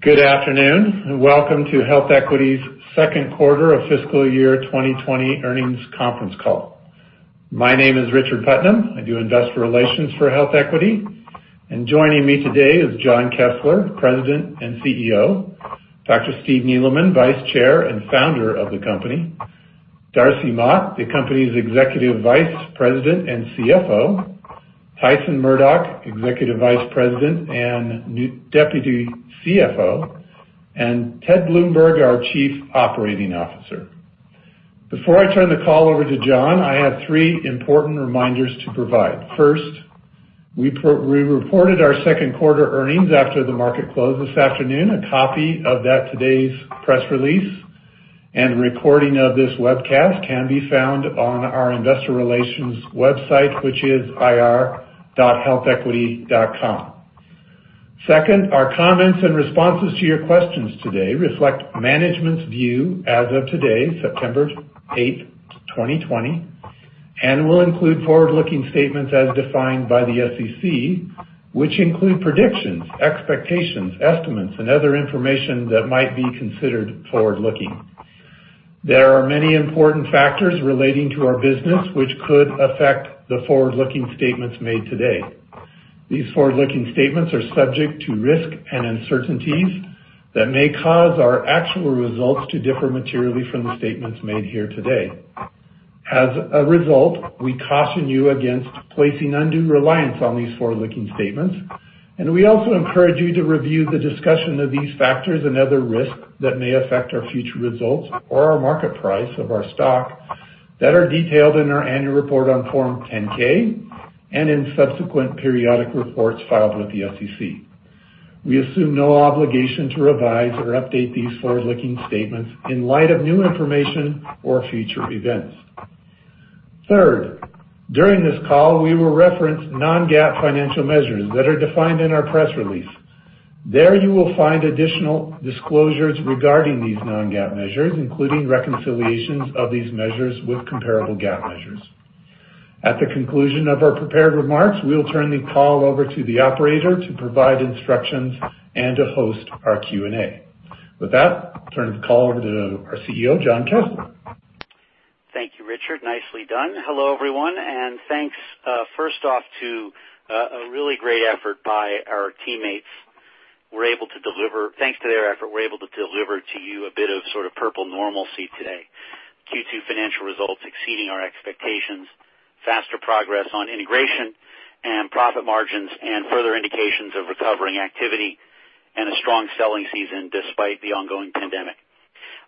Good afternoon, welcome to HealthEquity's second quarter of fiscal year 2020 earnings conference call. My name is Richard Putnam. I do investor relations for HealthEquity. Joining me today is Jon Kessler, President and CEO, Dr. Steve Neeleman, Vice Chair and founder of the company, Darcy Mott, the company's Executive Vice President and CFO, Tyson Murdock, Executive Vice President and Deputy CFO, and Ted Bloomberg, our Chief Operating Officer. Before I turn the call over to Jon, I have three important reminders to provide. First, we reported our second quarter earnings after the market closed this afternoon. A copy of that, today's press release, and recording of this webcast can be found on our investor relations website, which is ir.healthequity.com. Second, our comments and responses to your questions today reflect management's view as of today, September 8, 2020, will include forward-looking statements as defined by the SEC, which include predictions, expectations, estimates, and other information that might be considered forward-looking. There are many important factors relating to our business which could affect the forward-looking statements made today. These forward-looking statements are subject to risk and uncertainties that may cause our actual results to differ materially from the statements made here today. As a result, we caution you against placing undue reliance on these forward-looking statements, we also encourage you to review the discussion of these factors and other risks that may affect our future results or our market price of our stock that are detailed in our annual report on Form 10-K and in subsequent periodic reports filed with the SEC. We assume no obligation to revise or update these forward-looking statements in light of new information or future events. Third, during this call, we will reference non-GAAP financial measures that are defined in our press release. There you will find additional disclosures regarding these non-GAAP measures, including reconciliations of these measures with comparable GAAP measures. At the conclusion of our prepared remarks, we will turn the call over to the operator to provide instructions and to host our Q&A. I turn the call over to our CEO, Jon Kessler. Thank you, Richard. Nicely done. Hello, everyone, thanks, first off, to a really great effort by our teammates. Thanks to their effort, we're able to deliver to you a bit of sort of purple normalcy today. Q2 financial results exceeding our expectations, faster progress on integration and profit margins, further indications of recovering activity and a strong selling season despite the ongoing pandemic.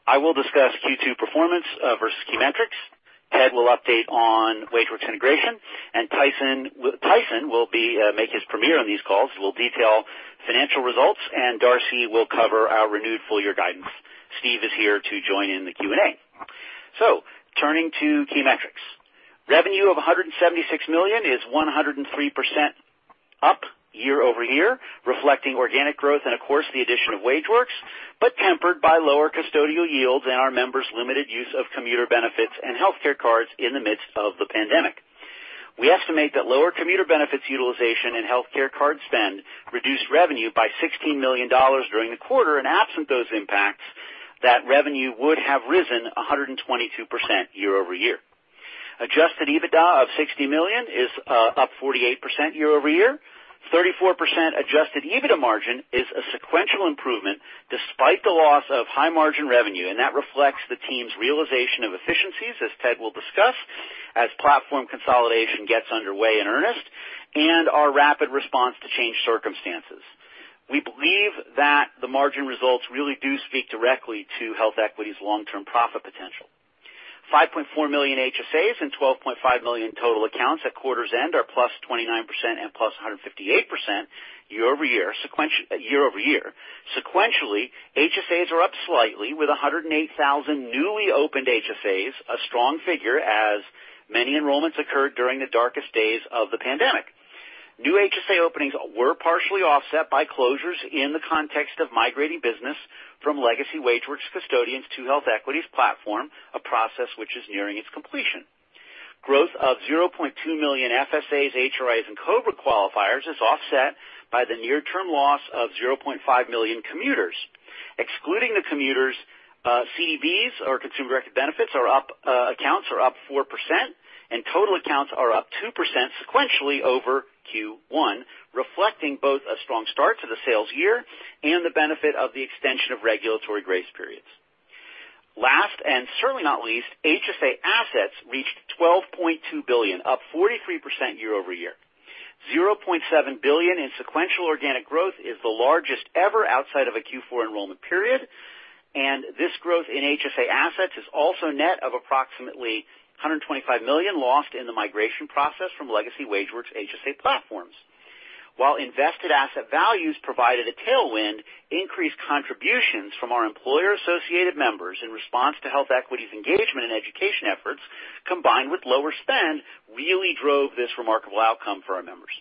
I will discuss Q2 performance versus key metrics. Ted will update on WageWorks integration, Tyson will make his premiere on these calls. We'll detail financial results, Darcy will cover our renewed full-year guidance. Steve is here to join in the Q&A. Turning to key metrics. Revenue of $176 million is 103% up year-over-year, reflecting organic growth and, of course, the addition of WageWorks, but tempered by lower custodial yields and our members' limited use of commuter benefits and healthcare cards in the midst of the pandemic. We estimate that lower commuter benefits utilization and healthcare card spend reduced revenue by $16 million during the quarter, and absent those impacts, that revenue would have risen 122% year-over-year. Adjusted EBITDA of $60 million is up 48% year-over-year. 34% adjusted EBITDA margin is a sequential improvement despite the loss of high-margin revenue, and that reflects the team's realization of efficiencies, as Ted will discuss, as platform consolidation gets underway in earnest and our rapid response to changed circumstances. We believe that the margin results really do speak directly to HealthEquity's long-term profit potential. 5.4 million HSAs and 12.5 million total accounts at quarter's end are plus 29% and plus 158% year-over-year. Sequentially, HSAs are up slightly with 108,000 newly opened HSAs, a strong figure as many enrollments occurred during the darkest days of the pandemic. New HSA openings were partially offset by closures in the context of migrating business from legacy WageWorks custodians to HealthEquity's platform, a process which is nearing its completion. Growth of 0.2 million FSAs, HRAs, and COBRA qualifiers is offset by the near-term loss of 0.5 million commuters. Excluding the commuters, CDBs or consumer-directed accounts are up 4%, and total accounts are up 2% sequentially over Q1, reflecting both a strong start to the sales year and the benefit of the extension of regulatory grace periods. Last, and certainly not least, HSA assets reached $12.2 billion, up 43% year-over-year. $0.7 billion in sequential organic growth is the largest ever outside of a Q4 enrollment period, and this growth in HSA assets is also net of approximately $125 million lost in the migration process from legacy WageWorks HSA platforms. While invested asset values provided a tailwind, increased contributions from our employer-associated members in response to HealthEquity's engagement and education efforts, combined with lower spend, really drove this remarkable outcome for our members.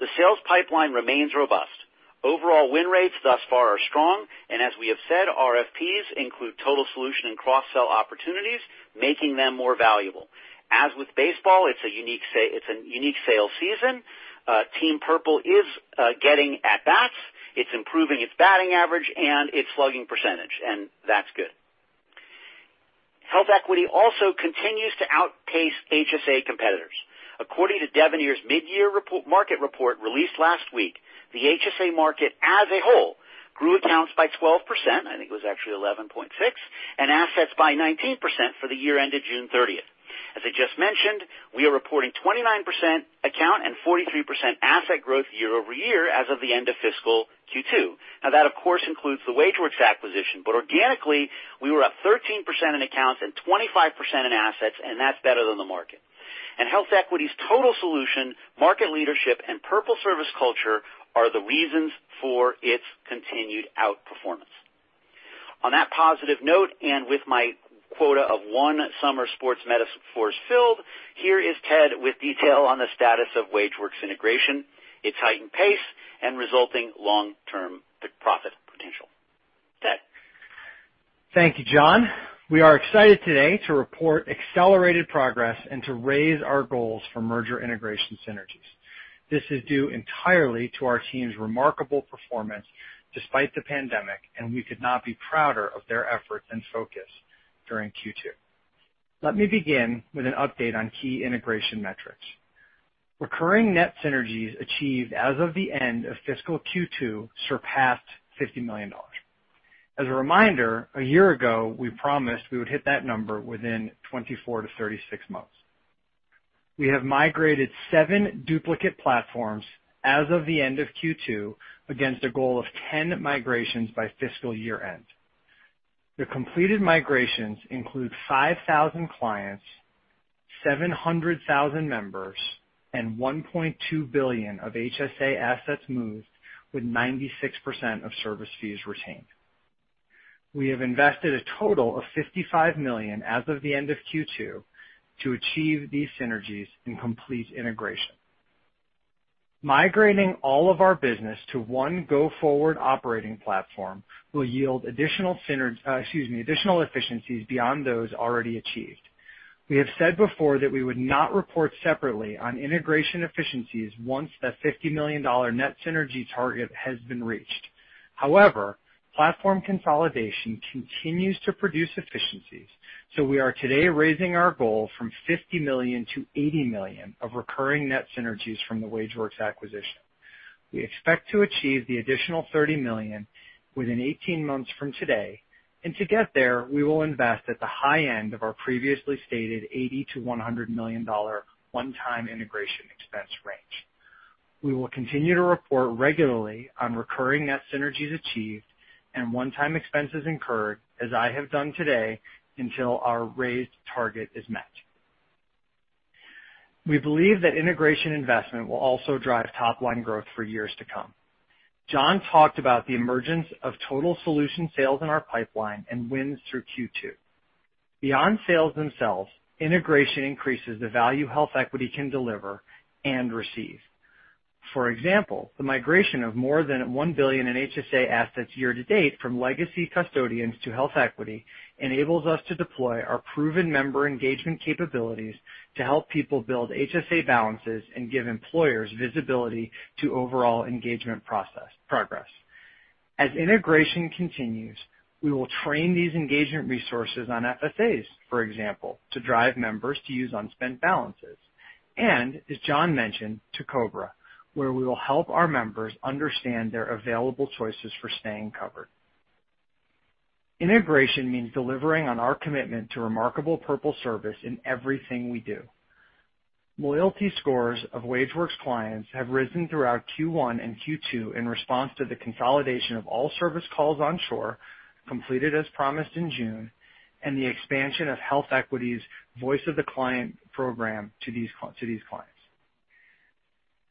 The sales pipeline remains robust. Overall win rates thus far are strong, and as we have said, RFPs include total solution and cross-sell opportunities, making them more valuable. As with baseball, it's a unique sale season. Team Purple is getting at-bats. It's improving its batting average and its slugging percentage, and that's good. HealthEquity also continues to outpace HSA competitors. According to Devenir's mid-year market report released last week, the HSA market as a whole grew accounts by 12%, I think it was actually 11.6%, and assets by 19% for the year ended June 30th. As I just mentioned, we are reporting 29% account and 43% asset growth year-over-year as of the end of fiscal Q2. Now, that of course, includes the WageWorks acquisition, but organically, we were up 13% in accounts and 25% in assets, and that's better than the market. HealthEquity's total solution, market leadership, and purple service culture are the reasons for its continued outperformance. On that positive note, and with my quota of one summer sports metaphor filled, here is Ted with detail on the status of WageWorks integration, its heightened pace, and resulting long-term profit potential. Ted? Thank you, Jon. We are excited today to report accelerated progress and to raise our goals for merger integration synergies. This is due entirely to our team's remarkable performance despite the pandemic, and we could not be prouder of their efforts and focus during Q2. Let me begin with an update on key integration metrics. Recurring net synergies achieved as of the end of fiscal Q2 surpassed $50 million. As a reminder, a year ago, we promised we would hit that number within 24 to 36 months. We have migrated seven duplicate platforms as of the end of Q2 against a goal of 10 migrations by fiscal year end. The completed migrations include 5,000 clients, 700,000 members, and $1.2 billion of HSA assets moved with 96% of service fees retained. We have invested a total of $55 million as of the end of Q2 to achieve these synergies and complete integration. Migrating all of our business to one go-forward operating platform will yield additional synergies, excuse me, additional efficiencies beyond those already achieved. We have said before that we would not report separately on integration efficiencies once the $50 million net synergy target has been reached. However, platform consolidation continues to produce efficiencies, so we are today raising our goal from $50 million to $80 million of recurring net synergies from the WageWorks acquisition. We expect to achieve the additional $30 million within 18 months from today. To get there, we will invest at the high end of our previously stated $80 million-$100 million one-time integration expense range. We will continue to report regularly on recurring net synergies achieved and one-time expenses incurred, as I have done today, until our raised target is met. We believe that integration investment will also drive top-line growth for years to come. Jon talked about the emergence of total solution sales in our pipeline and wins through Q2. Beyond sales themselves, integration increases the value HealthEquity can deliver and receive. For example, the migration of more than $1 billion in HSA assets year to date from legacy custodians to HealthEquity enables us to deploy our proven member engagement capabilities to help people build HSA balances and give employers visibility to overall engagement progress. As integration continues, we will train these engagement resources on FSAs, for example, to drive members to use unspent balances, and, as Jon mentioned, to COBRA, where we will help our members understand their available choices for Stay Covered. Integration means delivering on our commitment to remarkable purple service in everything we do. Loyalty scores of WageWorks clients have risen throughout Q1 and Q2 in response to the consolidation of all service calls onshore, completed as promised in June, and the expansion of HealthEquity's Voice of the Client program to these clients.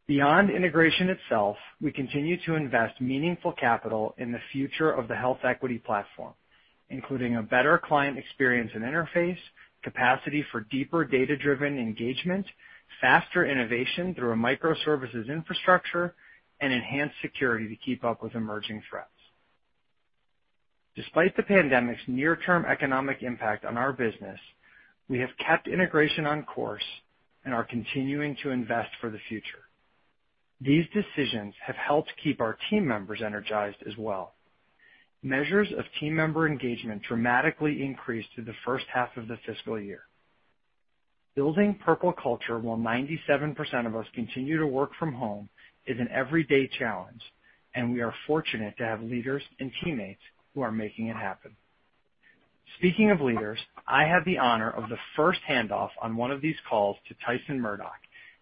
Beyond integration itself, we continue to invest meaningful capital in the future of the HealthEquity platform, including a better client experience and interface, capacity for deeper data-driven engagement, faster innovation through a microservices infrastructure, and enhanced security to keep up with emerging threats. Despite the pandemic's near-term economic impact on our business, we have kept integration on course and are continuing to invest for the future. These decisions have helped keep our team members energized as well. Measures of team member engagement dramatically increased through the first half of the fiscal year. Building purple culture while 97% of us continue to work from home is an everyday challenge, and we are fortunate to have leaders and teammates who are making it happen. Speaking of leaders, I have the honor of the first handoff on one of these calls to Tyson Murdock,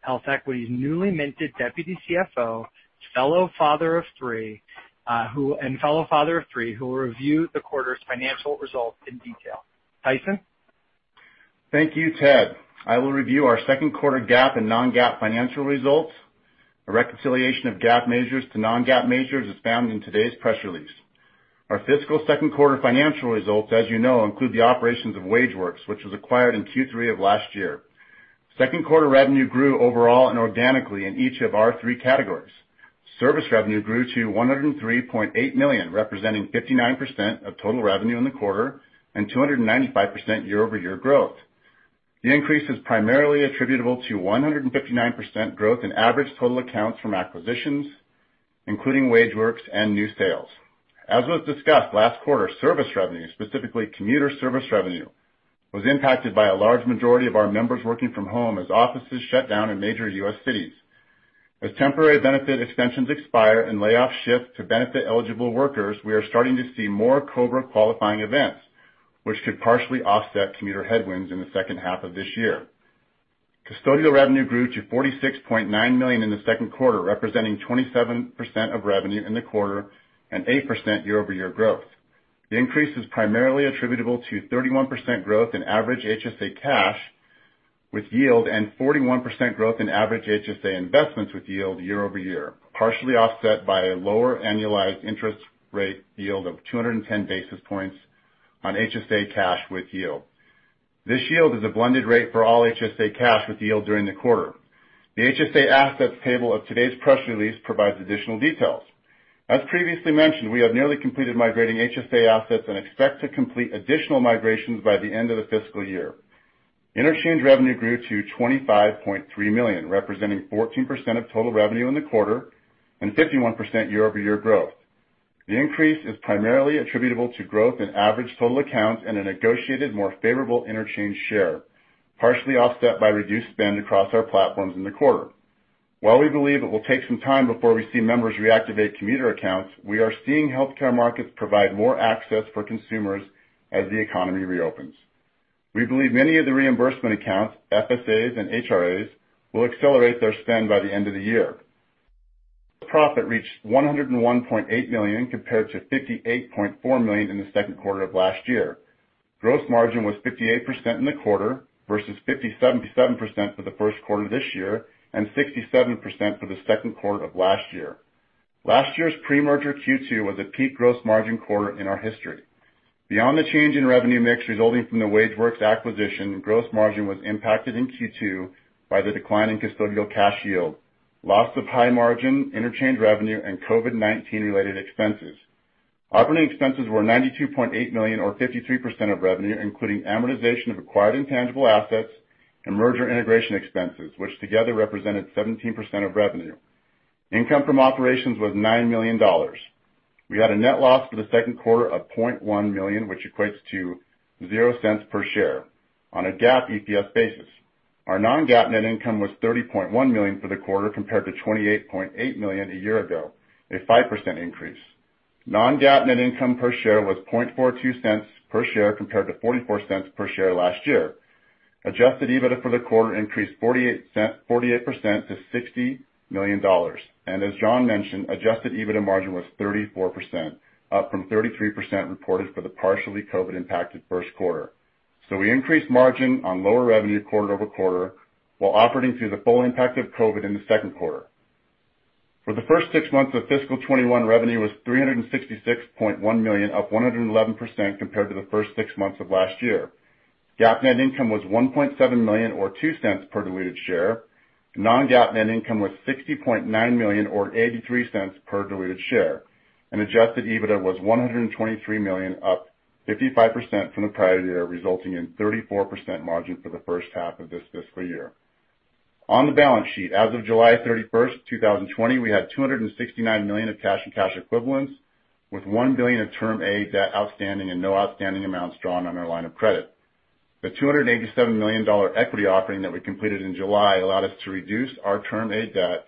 HealthEquity's newly minted Deputy CFO, and fellow father of three, who will review the quarter's financial results in detail. Tyson? Thank you, Ted. I will review our second quarter GAAP and non-GAAP financial results. A reconciliation of GAAP measures to non-GAAP measures is found in today's press release. Our fiscal second quarter financial results, as you know, include the operations of WageWorks, which was acquired in Q3 of last year. Second quarter revenue grew overall and organically in each of our three categories. Service revenue grew to $103.8 million, representing 59% of total revenue in the quarter and 295% year-over-year growth. The increase is primarily attributable to 159% growth in average total accounts from acquisitions, including WageWorks and new sales. As was discussed last quarter, service revenue, specifically commuter service revenue, was impacted by a large majority of our members working from home as offices shut down in major U.S. cities. As temporary benefit extensions expire and layoffs shift to benefit eligible workers, we are starting to see more COBRA qualifying events, which could partially offset commuter headwinds in the second half of this year. Custodial revenue grew to $46.9 million in the second quarter, representing 27% of revenue in the quarter and 8% year-over-year growth. The increase is primarily attributable to 31% growth in average HSA cash with yield and 41% growth in average HSA investments with yield year-over-year, partially offset by a lower annualized interest rate yield of 210 basis points on HSA cash with yield. This yield is a blended rate for all HSA cash with yield during the quarter. The HSA assets table of today's press release provides additional details. As previously mentioned, we have nearly completed migrating HSA assets and expect to complete additional migrations by the end of the fiscal year. Interchange revenue grew to $25.3 million, representing 14% of total revenue in the quarter and 51% year-over-year growth. The increase is primarily attributable to growth in average total accounts and a negotiated, more favorable interchange share, partially offset by reduced spend across our platforms in the quarter. While we believe it will take some time before we see members reactivate commuter accounts, we are seeing healthcare markets provide more access for consumers as the economy reopens. We believe many of the reimbursement accounts, FSAs, and HRAs will accelerate their spend by the end of the year. Profit reached $101.8 million compared to $58.4 million in the second quarter of last year. Gross margin was 58% in the quarter versus 57% for the first quarter of this year and 67% for the second quarter of last year. Last year's pre-merger Q2 was a peak gross margin quarter in our history. Beyond the change in revenue mix resulting from the WageWorks acquisition, gross margin was impacted in Q2 by the decline in custodial cash yield, loss of high margin interchange revenue, and COVID-19 related expenses. Operating expenses were $92.8 million or 53% of revenue, including amortization of acquired intangible assets and merger integration expenses, which together represented 17% of revenue. Income from operations was $9 million. We had a net loss for the second quarter of $0.1 million, which equates to $0.00 per share on a GAAP EPS basis. Our non-GAAP net income was $30.1 million for the quarter compared to $28.8 million a year ago, a 5% increase. Non-GAAP net income per share was $0.42 per share compared to $0.44 per share last year. Adjusted EBITDA for the quarter increased 48% to $60 million. As Jon mentioned, adjusted EBITDA margin was 34%, up from 33% reported for the partially COVID-impacted first quarter. We increased margin on lower revenue quarter-over-quarter while operating through the full impact of COVID in the second quarter. For the first six months of fiscal 2021, revenue was $366.1 million, up 111% compared to the first six months of last year. GAAP net income was $1.7 million or $0.02 per diluted share. Non-GAAP net income was $60.9 million or $0.83 per diluted share. Adjusted EBITDA was $123 million, up 55% from the prior year, resulting in 34% margin for the first half of this fiscal year. On the balance sheet, as of July 31, 2020, we had $269 million of cash and cash equivalents with $1 billion of Term A debt outstanding and no outstanding amounts drawn on our line of credit. The $287 million equity offering that we completed in July allowed us to reduce our Term A debt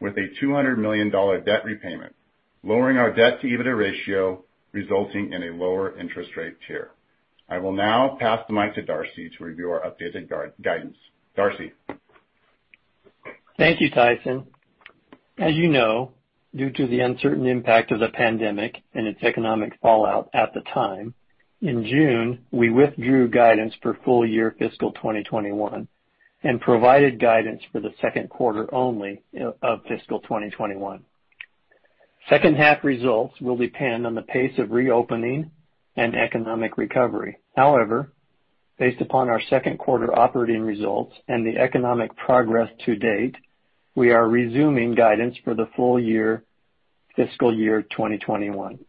with a $200 million debt repayment, lowering our debt-to-EBITDA ratio, resulting in a lower interest rate tier. I will now pass the mic to Darcy to review our updated guidance. Darcy? Thank you, Tyson. As you know, due to the uncertain impact of the pandemic and its economic fallout at the time, in June, we withdrew guidance for full year fiscal 2021 and provided guidance for the second quarter only of fiscal 2021. Second half results will depend on the pace of reopening and economic recovery. However, based upon our second quarter operating results and the economic progress to date, we are resuming guidance for the full year fiscal year 2021.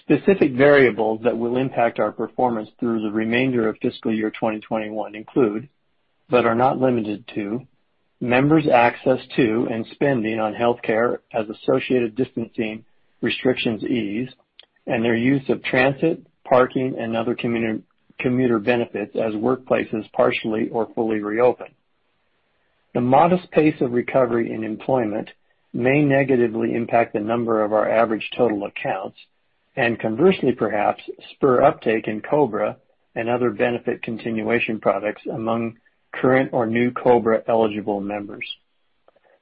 Specific variables that will impact our performance through the remainder of fiscal year 2021 include, but are not limited to, members' access to and spending on healthcare as associated distancing restrictions ease, and their use of transit, parking, and other commuter benefits as workplaces partially or fully reopen. The modest pace of recovery in employment may negatively impact the number of our average total accounts, and conversely perhaps, spur uptake in COBRA and other benefit continuation products among current or new COBRA eligible members.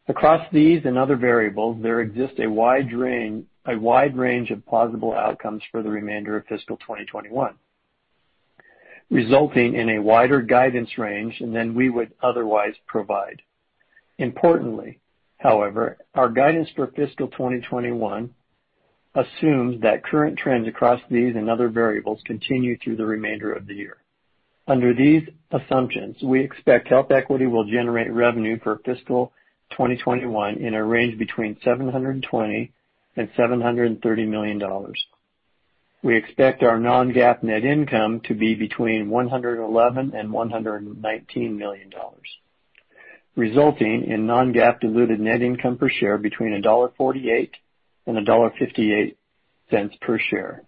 Across these and other variables, there exists a wide range of plausible outcomes for the remainder of fiscal 2021, resulting in a wider guidance range than we would otherwise provide. Importantly, however, our guidance for fiscal 2021 assumes that current trends across these and other variables continue through the remainder of the year. Under these assumptions, we expect HealthEquity will generate revenue for fiscal 2021 in a range between $720 million and $730 million. We expect our non-GAAP net income to be between $111 million and $119 million, resulting in non-GAAP diluted net income per share between $1.48 and $1.58 per share.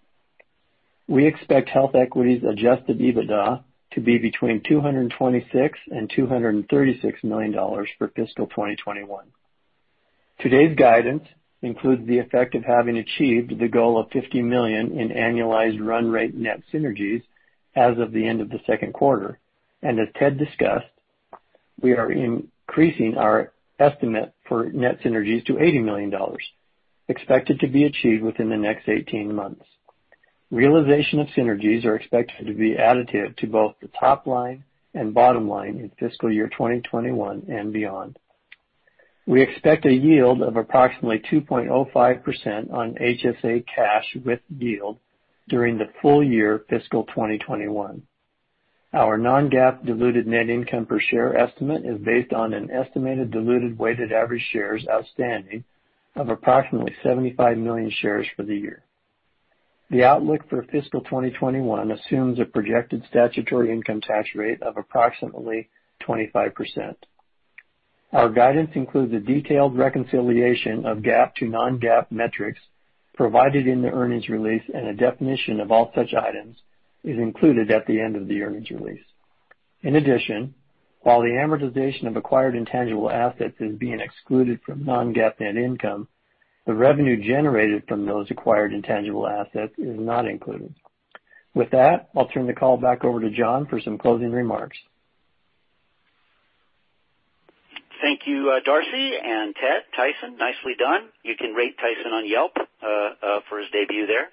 We expect HealthEquity's adjusted EBITDA to be between $226 million and $236 million for fiscal 2021. Today's guidance includes the effect of having achieved the goal of $50 million in annualized run rate net synergies as of the end of the second quarter. As Ted discussed, we are increasing our estimate for net synergies to $80 million, expected to be achieved within the next 18 months. Realization of synergies are expected to be additive to both the top line and bottom line in fiscal year 2021 and beyond. We expect a yield of approximately 2.05% on HSA cash with yield during the full year fiscal 2021. Our non-GAAP diluted net income per share estimate is based on an estimated diluted weighted average shares outstanding of approximately 75 million shares for the year. The outlook for fiscal 2021 assumes a projected statutory income tax rate of approximately 25%. Our guidance includes a detailed reconciliation of GAAP to non-GAAP metrics provided in the earnings release. A definition of all such items is included at the end of the earnings release. In addition, while the amortization of acquired intangible assets is being excluded from non-GAAP net income, the revenue generated from those acquired intangible assets is not included. With that, I'll turn the call back over to Jon for some closing remarks. Thank you, Darcy and Ted. Tyson, nicely done. You can rate Tyson on Yelp for his debut there.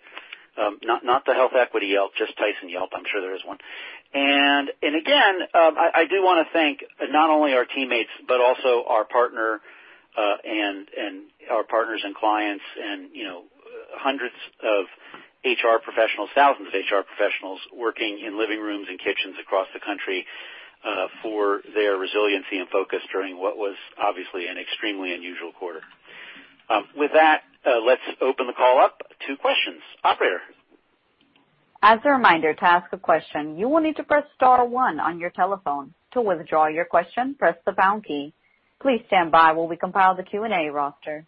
Not the HealthEquity Yelp, just Tyson Yelp. I'm sure there is one. Again, I do want to thank not only our teammates but also our partners and clients and hundreds of HR professionals, thousands of HR professionals working in living rooms and kitchens across the country, for their resiliency and focus during what was obviously an extremely unusual quarter. With that, let's open the call up to questions. Operator? As a reminder, to ask a question, you will need to press star one on your telephone. To withdraw your question, press the pound key. Please stand by while we compile the Q&A roster.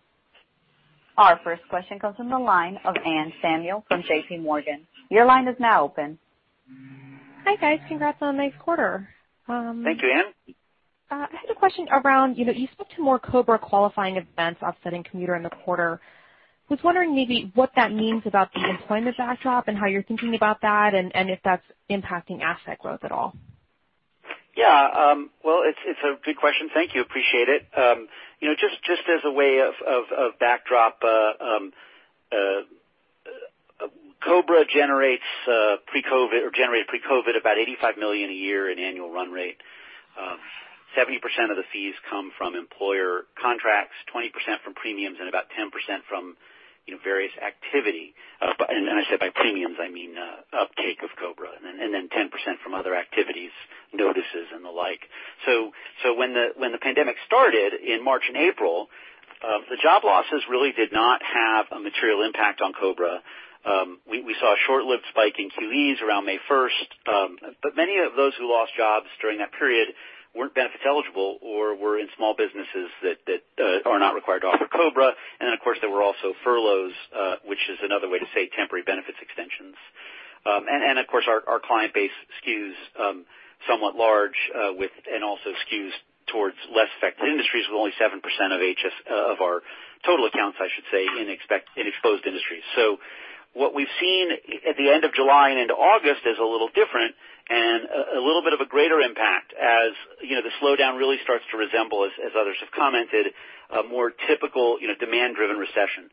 Our first question comes from the line of Anne Samuel from JPMorgan. Your line is now open. Hi, guys. Congrats on a nice quarter. Thank you, Anne. I had a question around, you spoke to more COBRA qualifying events offsetting commuter in the quarter. Was wondering maybe what that means about the employment backdrop and how you're thinking about that, and if that's impacting asset growth at all. Yeah. Well, it's a good question. Thank you, appreciate it. Just as a way of backdrop, COBRA generated pre-COVID about $85 million a year in annual run rate. 70% of the fees come from employer contracts, 20% from premiums, and about 10% from various activity. I said by premiums, I mean, uptake of COBRA, then 10% from other activities, notices and the like. When the pandemic started in March and April, the job losses really did not have a material impact on COBRA. We saw a short-lived spike in QEs around May 1st. Many of those who lost jobs during that period weren't benefits eligible or were in small businesses that are not required to offer COBRA. Of course, there were also furloughs, which is another way to say temporary benefits extensions. Of course, our client base skews somewhat large, and also skews towards less affected industries with only 7% of our total accounts, I should say, in exposed industries. What we've seen at the end of July and into August is a little different and a little bit of a greater impact as the slowdown really starts to resemble, as others have commented, a more typical demand-driven recession.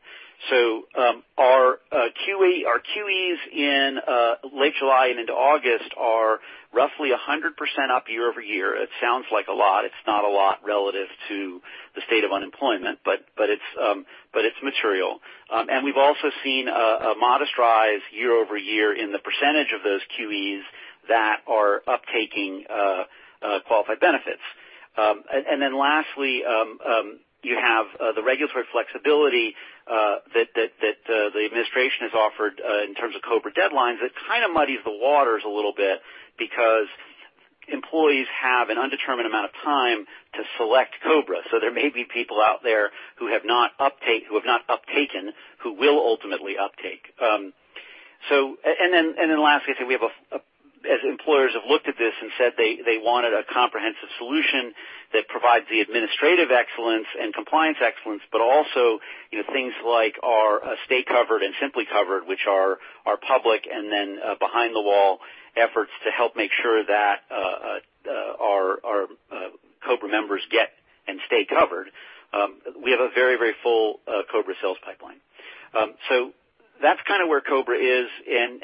Our QEs in late July and into August are roughly 100% up year-over-year. It sounds like a lot. It's not a lot relative to the state of unemployment, but it's material. We've also seen a modest rise year-over-year in the percentage of those QEs that are uptaking qualified benefits. Lastly, you have the regulatory flexibility that the administration has offered in terms of COBRA deadlines that kind of muddies the waters a little bit because employees have an undetermined amount of time to select COBRA. There may be people out there who have not uptaken who will ultimately uptake. Lastly, I say as employers have looked at this and said they wanted a comprehensive solution that provides the administrative excellence and compliance excellence, but also things like our Stay Covered and Simply Covered, which are our public, and then behind the wall efforts to help make sure that our COBRA members get and stay covered. We have a very full COBRA sales pipeline. That's kind of where COBRA is, and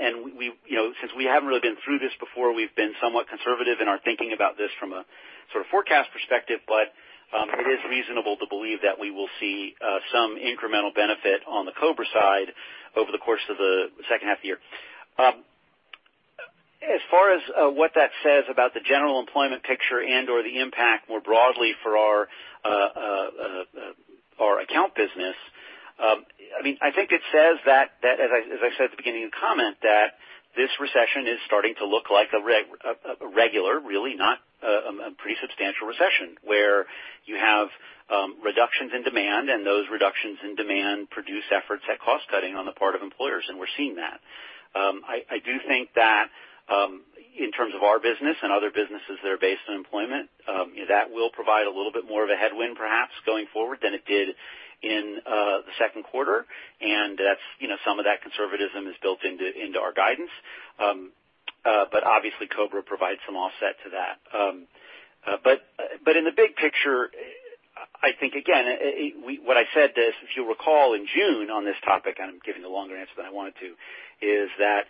since we haven't really been through this before, we've been somewhat conservative in our thinking about this from a sort of forecast perspective. It is reasonable to believe that we will see some incremental benefit on the COBRA side over the course of the second half of the year. As far as what that says about the general employment picture and/or the impact more broadly for our account business, I think it says that, as I said at the beginning of the comment, that this recession is starting to look like a regular, really not a pretty substantial recession, where you have reductions in demand, and those reductions in demand produce efforts at cost cutting on the part of employers, and we're seeing that. I do think that in terms of our business and other businesses that are based on employment, that will provide a little bit more of a headwind, perhaps, going forward than it did in the second quarter. Some of that conservatism is built into our guidance. Obviously, COBRA provides some offset to that. In the big picture, I think, again, what I said, if you'll recall, in June on this topic, I'm giving a longer answer than I wanted to, is that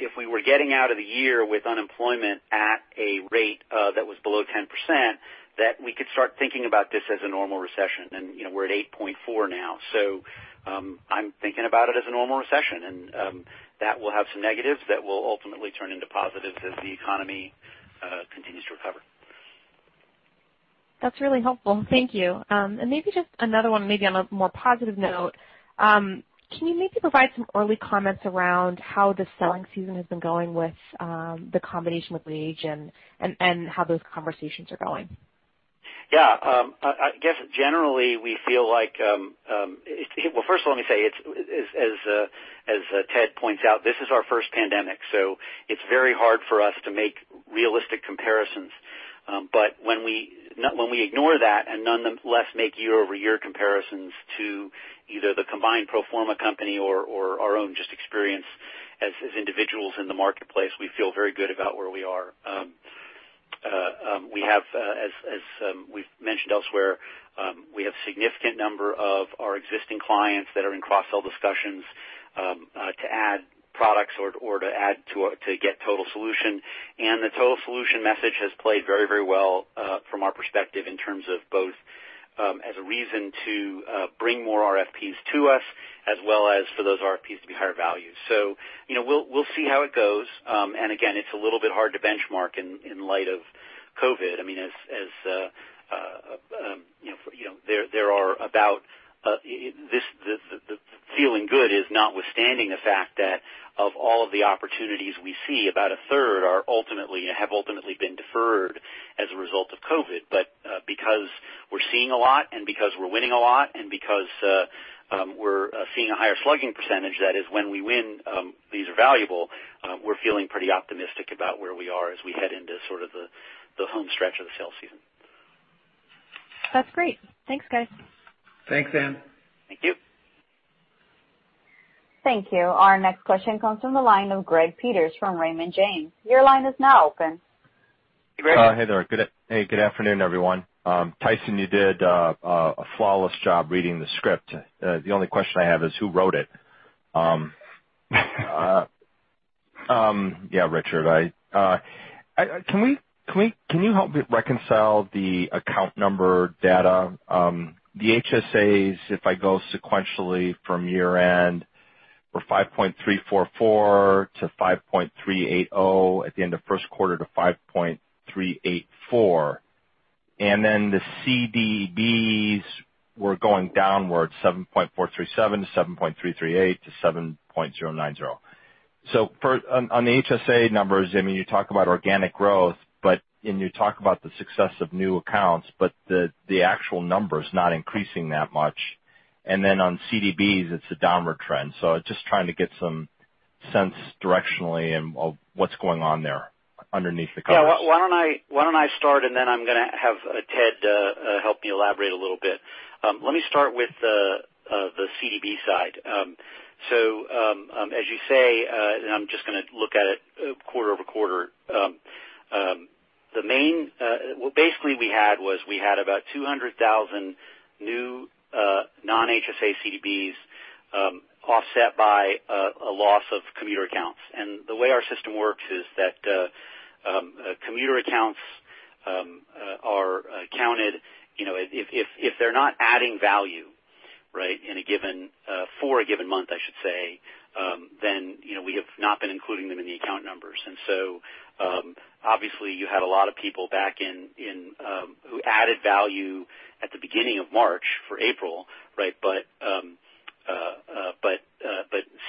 if we were getting out of the year with unemployment at a rate that was below 10%, that we could start thinking about this as a normal recession. We're at 8.4 now. I'm thinking about it as a normal recession, and that will have some negatives that will ultimately turn into positives as the economy continues to recover. That's really helpful. Thank you. Maybe just another one, maybe on a more positive note. Can you maybe provide some early comments around how the selling season has been going with the combination with WageWorks and how those conversations are going? First let me say, as Ted points out, this is our first pandemic, so it's very hard for us to make realistic comparisons. When we ignore that and nonetheless make year-over-year comparisons to either the combined pro forma company or our own just experience as individuals in the marketplace, we feel very good about where we are. We have, as we've mentioned elsewhere, we have significant number of our existing clients that are in cross-sell discussions, to add products or to get total solution. The total solution message has played very well, from our perspective, in terms of both as a reason to bring more RFPs to us, as well as for those RFPs to be higher value. We'll see how it goes. Again, it's a little bit hard to benchmark in light of COVID. There are about, the feeling good is notwithstanding the fact that of all of the opportunities we see, about a third have ultimately been deferred as a result of COVID. Because we're seeing a lot and because we're winning a lot and because, we're seeing a higher slugging percentage, that is when we win, these are valuable, we're feeling pretty optimistic about where we are as we head into sort of the home stretch of the sales season. That's great. Thanks, guys. Thanks, Anne. Thank you. Thank you. Our next question comes from the line of Greg Peters from Raymond James. Your line is now open. Hey, Greg. Hey there. Hey, good afternoon, everyone. Tyson, you did a flawless job reading the script. The only question I have is who wrote it. Yeah, Richard. Can you help me reconcile the account number data? The HSAs, if I go sequentially from year-end, were 5.344 to 5.380 at the end of first quarter to 5.384, then the CDBs were going downward, 7.437 to 7.338 to 7.090. On the HSA numbers, you talk about organic growth, and you talk about the success of new accounts, but the actual number is not increasing that much. Then on CDBs, it's a downward trend. Just trying to get some sense directionally of what's going on there underneath the covers. Yeah. Why don't I start, then I'm going to have Ted help me elaborate a little bit. Let me start with the CDB side. As you say, and I'm just going to look at it quarter-over-quarter. Basically, we had about 200,000 new non-HSA CDBs, offset by a loss of commuter accounts. The way our system works is that commuter accounts are counted. If they're not adding value for a given month, I should say, then we have not been including them in the account numbers. Obviously you had a lot of people back in who added value at the beginning of March for April.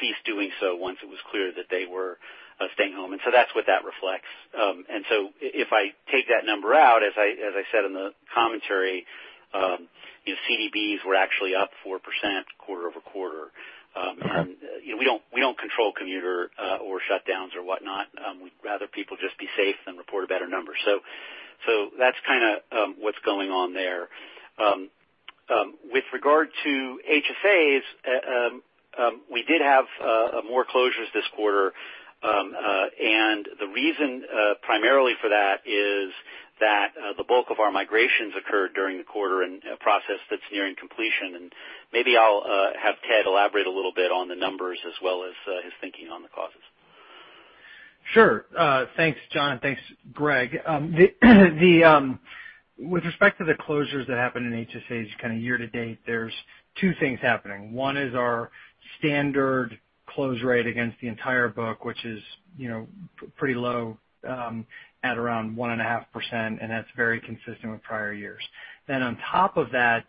Ceased doing so once it was clear that they were staying home. That's what that reflects. If I take that number out, as I said in the commentary, CDBs were actually up 4% quarter-over-quarter. Okay. We don't control commuter or shutdowns or whatnot. We'd rather people just be safe than report a better number. That's kind of what's going on there. With regard to HSAs, we did have more closures this quarter. The reason primarily for that is that the bulk of our migrations occurred during the quarter in a process that's nearing completion. Maybe I'll have Ted elaborate a little bit on the numbers as well as his thinking on the causes. Sure. Thanks, Jon. Thanks, Greg. With respect to the closures that happened in HSAs kind of year-to-date, there's two things happening. One is our standard close rate against the entire book, which is pretty low at around 1.5%, and that's very consistent with prior years. On top of that,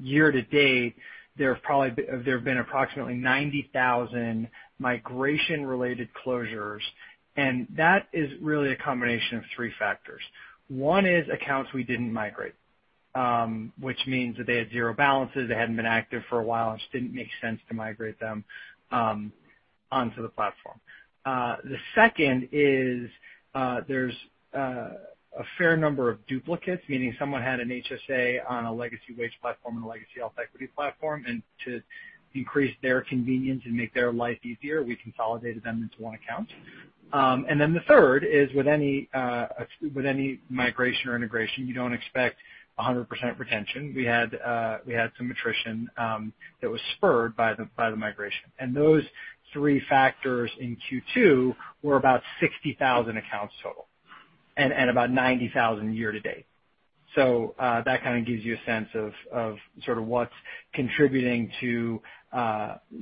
year-to-date, there have been approximately 90,000 migration-related closures, and that is really a combination of three factors. One is accounts we didn't migrate, which means that they had zero balances, they hadn't been active for a while, and it just didn't make sense to migrate them onto the platform. The second is there's a fair number of duplicates, meaning someone had an HSA on a legacy WageWorks platform and a legacy HealthEquity platform. To increase their convenience and make their life easier, we consolidated them into one account. The third is, with any migration or integration, you don't expect 100% retention. We had some attrition that was spurred by the migration. Those three factors in Q2 were about 60,000 accounts total and about 90,000 year-to-date. That kind of gives you a sense of sort of what's contributing to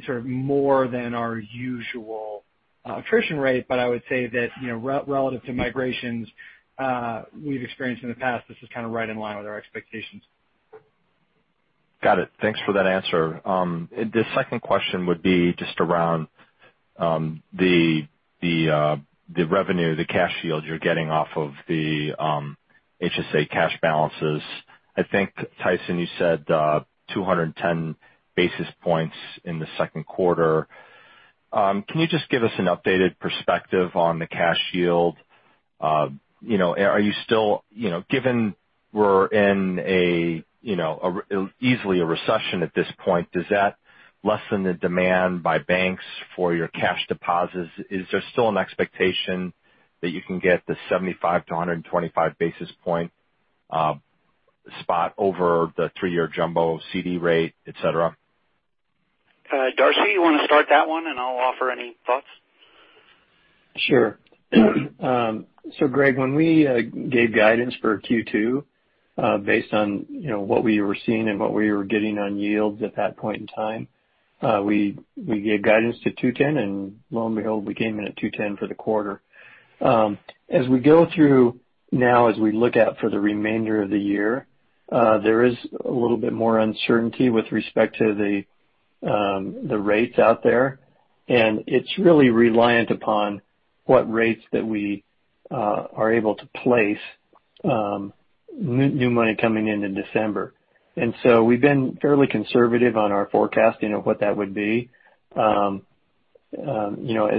sort of more than our usual attrition rate. I would say that relative to migrations we've experienced in the past, this is kind of right in line with our expectations. Got it. Thanks for that answer. The second question would be just around the revenue, the cash yield you're getting off of the HSA cash balances. I think, Tyson, you said 210 basis points in the second quarter. Can you just give us an updated perspective on the cash yield? Given we're in easily a recession at this point, does that lessen the demand by banks for your cash deposits? Is there still an expectation that you can get the 75 basis point spot-125 basis point spot over the three-year jumbo CD rate, et cetera? Darcy, you want to start that one and I'll offer any thoughts? Sure. Greg, when we gave guidance for Q2, based on what we were seeing and what we were getting on yields at that point in time, we gave guidance to 210, and lo and behold, we came in at 210 for the quarter. As we go through now, as we look out for the remainder of the year, there is a little bit more uncertainty with respect to the rates out there, and it's really reliant upon what rates that we are able to place new money coming in in December. We've been fairly conservative on our forecasting of what that would be. As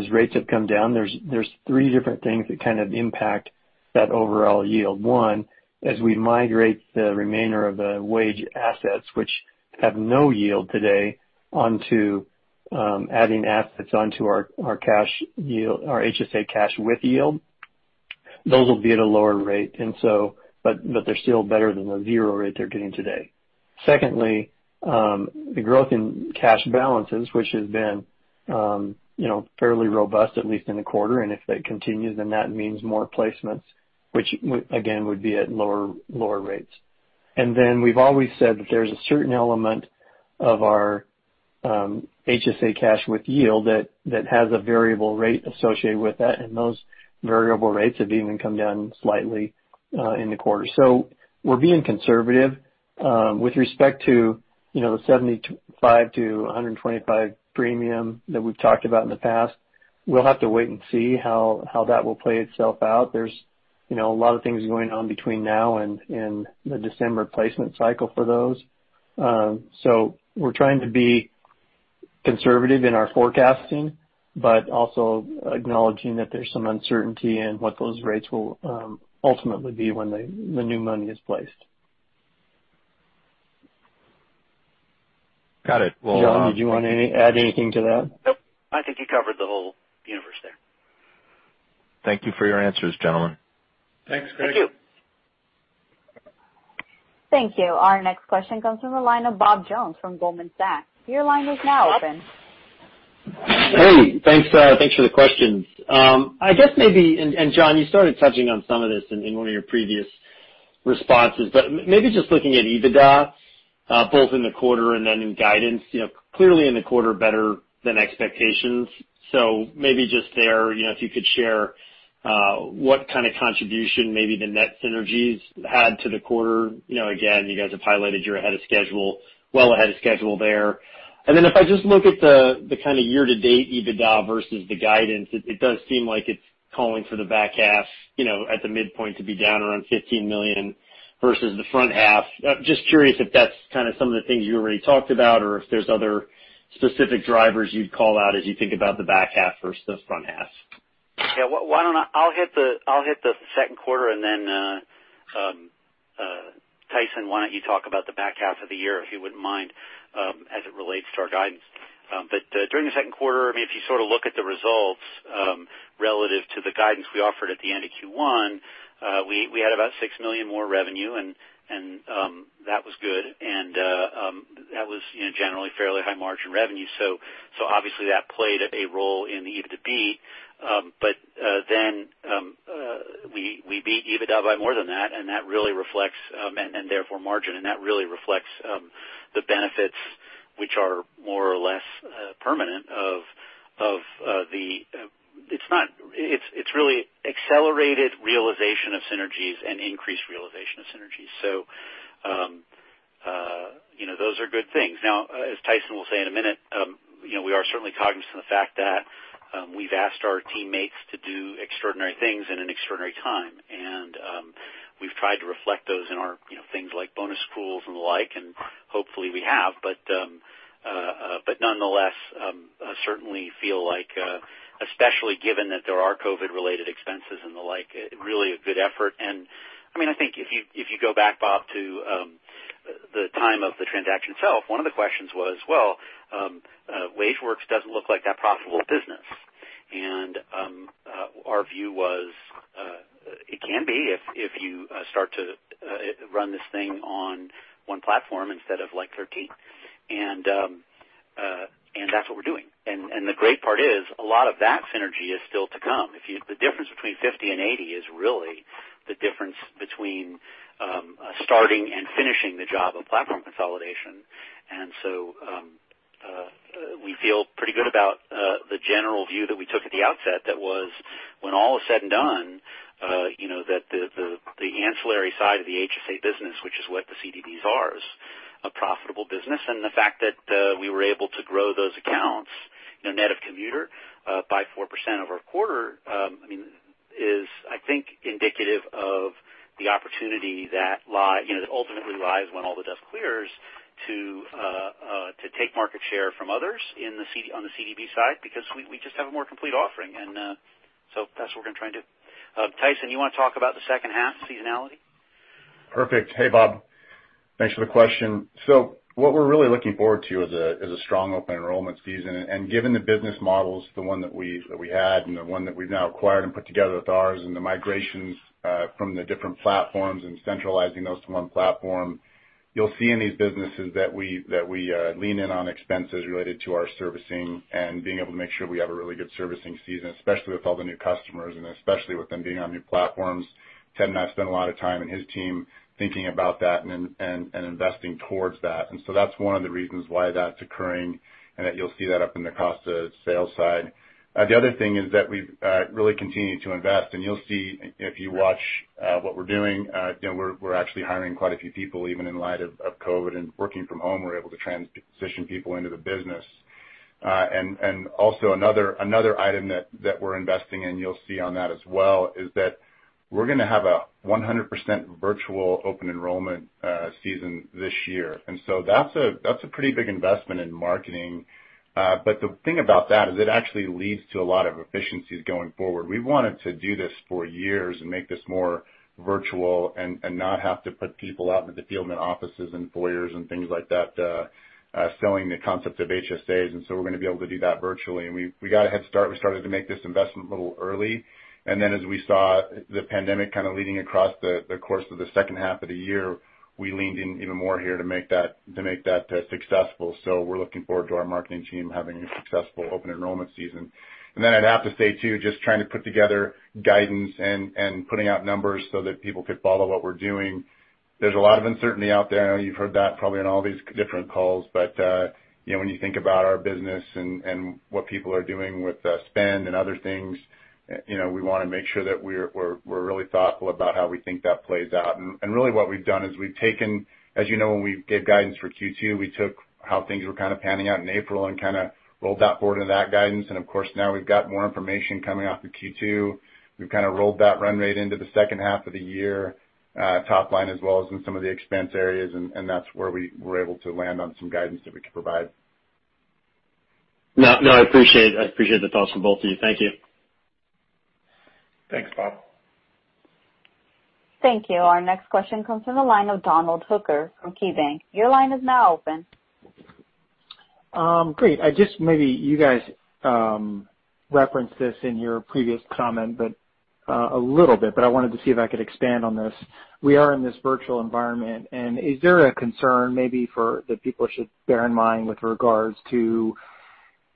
rates have come down, there are three different things that kind of impact that overall yield. One, as we migrate the remainder of the wage assets, which have no yield today, onto adding assets onto our HSA cash with yield, those will be at a lower rate, but they're still better than the zero rate they're getting today. Secondly, the growth in cash balances, which has been fairly robust, at least in the quarter. If that continues, that means more placements, which again, would be at lower rates. We've always said that there is a certain element of our HSA cash with yield that has a variable rate associated with that. Those variable rates have even come down slightly in the quarter. We're being conservative. With respect to the 75 to 125 premium that we've talked about in the past, we'll have to wait and see how that will play itself out. There's a lot of things going on between now and the December placement cycle for those. We're trying to be conservative in our forecasting, but also acknowledging that there's some uncertainty in what those rates will ultimately be when the new money is placed. Got it. Jon, did you want to add anything to that? Nope. I think you covered the whole universe there. Thank you for your answers, gentlemen. Thanks, Greg. Thank you. Thank you. Our next question comes from the line of Bob Jones from Goldman Sachs. Your line is now open. Hey, thanks. Thanks for the questions. I guess maybe, Jon, you started touching on some of this in one of your previous responses, but maybe just looking at EBITDA, both in the quarter and then in guidance. Clearly in the quarter, better than expectations. So maybe just there, if you could share what kind of contribution maybe the net synergies had to the quarter. Again, you guys have highlighted you're ahead of schedule, well ahead of schedule there. Then if I just look at the kind of year-to-date EBITDA versus the guidance, it does seem like it's calling for the back half at the midpoint to be down around $15 million versus the front half. Just curious if that's kind of some of the things you already talked about or if there's other specific drivers you'd call out as you think about the back half versus the front half. Yeah. I'll hit the second quarter, then, Tyson, why don't you talk about the back half of the year, if you wouldn't mind, as it relates to our guidance. During the second quarter, if you sort of look at the results relative to the guidance we offered at the end of Q1, we had about $6 million more revenue, that was good. That was generally fairly high margin revenue. Obviously that played a role in EBITDA. We beat EBITDA by more than that, and therefore margin, and that really reflects the benefits which are more or less permanent. It's really accelerated realization of synergies and increased realization of synergies. Those are good things. As Tyson will say in a minute, we are certainly cognizant of the fact that we've asked our teammates to do extraordinary things in an extraordinary time. We've tried to reflect those in our things like bonus pools and the like, and hopefully we have. Nonetheless, I certainly feel like, especially given that there are COVID-related expenses and the like, really a good effort. I think if you go back, Bob, to the time of the transaction itself, one of the questions was, well, WageWorks doesn't look like that profitable business. Our view was, it can be if you start to run this thing on one platform instead of 13. That's what we're doing. The great part is, a lot of that synergy is still to come. The difference between 50 and 80 is really the difference between starting and finishing the job of platform consolidation. We feel pretty good about the general view that we took at the outset, that was, when all is said and done, that the ancillary side of the HSA business, which is what the CDBs are, is a profitable business. The fact that we were able to grow those accounts net of commuter by 4% over a quarter is, I think, indicative of the opportunity that ultimately lies when all the dust clears to take market share from others on the CDB side, because we just have a more complete offering. That's what we're going to try and do. Tyson, you want to talk about the second half seasonality? Perfect. Hey, Bob. Thanks for the question. What we're really looking forward to is a strong open enrollment season. Given the business models, the one that we had and the one that we've now acquired and put together with ours, the migrations from the different platforms and centralizing those to one platform, you'll see in these businesses that we lean in on expenses related to our servicing and being able to make sure we have a really good servicing season, especially with all the new customers and especially with them being on new platforms. Ted and I spend a lot of time, and his team, thinking about that and investing towards that. That's one of the reasons why that's occurring, and that you'll see that up in the cost of sales side. The other thing is that we've really continued to invest, you'll see if you watch what we're doing, we're actually hiring quite a few people, even in light of COVID and working from home, we're able to transition people into the business. Another item that we're investing in, you'll see on that as well, is that we're going to have a 100% virtual open enrollment season this year. That's a pretty big investment in marketing. The thing about that is it actually leads to a lot of efficiencies going forward. We wanted to do this for years and make this more virtual and not have to put people out into the field in offices and foyers and things like that, selling the concept of HSAs. We're going to be able to do that virtually. We got a head start. We started to make this investment a little early, as we saw the pandemic kind of leading across the course of the second half of the year, we leaned in even more here to make that successful. We're looking forward to our marketing team having a successful open enrollment season. I'd have to say, too, just trying to put together guidance and putting out numbers so that people could follow what we're doing. There's a lot of uncertainty out there. I know you've heard that probably on all these different calls. When you think about our business and what people are doing with spend and other things, we want to make sure that we're really thoughtful about how we think that plays out. Really what we've done is we've taken, as you know, when we gave guidance for Q2, we took how things were kind of panning out in April and kind of rolled that forward into that guidance. Of course, now we've got more information coming off of Q2. We've kind of rolled that run rate into the second half of the year, top line, as well as in some of the expense areas, that's where we were able to land on some guidance that we could provide. No, I appreciate the thoughts from both of you. Thank you. Thanks, Bob. Thank you. Our next question comes from the line of Donald Hooker from KeyBank. Your line is now open. Great. Maybe you guys referenced this in your previous comment a little bit. I wanted to see if I could expand on this. We are in this virtual environment. Is there a concern maybe that people should bear in mind with regards to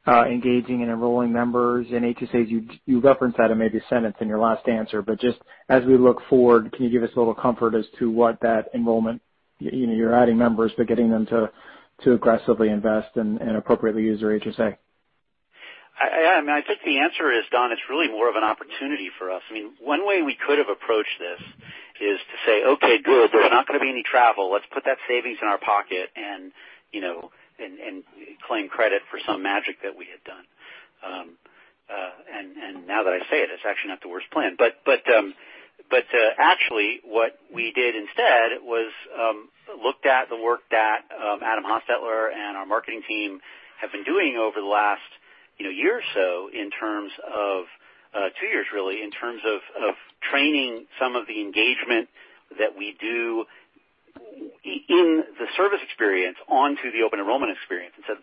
engaging and enrolling members in HSAs? You referenced that in maybe a sentence in your last answer. Just as we look forward, can you give us a little comfort as to what that enrollment, you're adding members, but getting them to aggressively invest and appropriately use their HSA? I think the answer is, Don, it's really more of an opportunity for us. One way we could have approached this is to say, "Okay, good. There's not going to be any travel. Let's put that savings in our pocket," and claim credit for some magic that we had done. Now that I say it's actually not the worst plan. Actually, what we did instead was looked at the work that Adam Hostetler and our marketing team have been doing over the last year or so, two years really, in terms of training some of the engagement that we do in the service experience onto the open enrollment experience and said,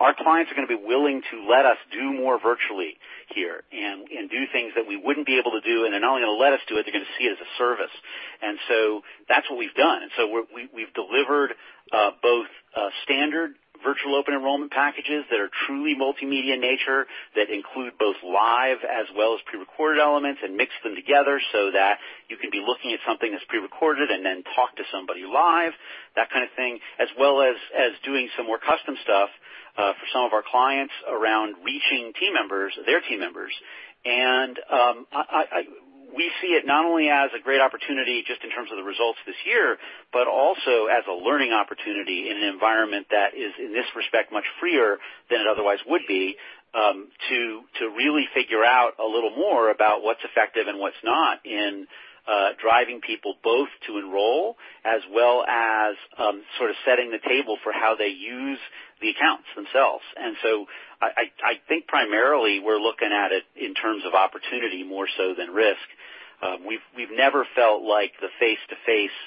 our clients are going to be willing to let us do more virtually here and do things that we wouldn't be able to do. They're not only going to let us do it, they're going to see it as a service. That's what we've done. We've delivered both Standard virtual open enrollment packages that are truly multimedia in nature, that include both live as well as prerecorded elements and mix them together so that you can be looking at something that's prerecorded and then talk to somebody live, that kind of thing, as well as doing some more custom stuff for some of our clients around reaching their team members. We see it not only as a great opportunity just in terms of the results this year, but also as a learning opportunity in an environment that is, in this respect, much freer than it otherwise would be, to really figure out a little more about what's effective and what's not in driving people both to enroll as well as sort of setting the table for how they use the accounts themselves. I think primarily we're looking at it in terms of opportunity more so than risk. We've never felt like the face-to-face,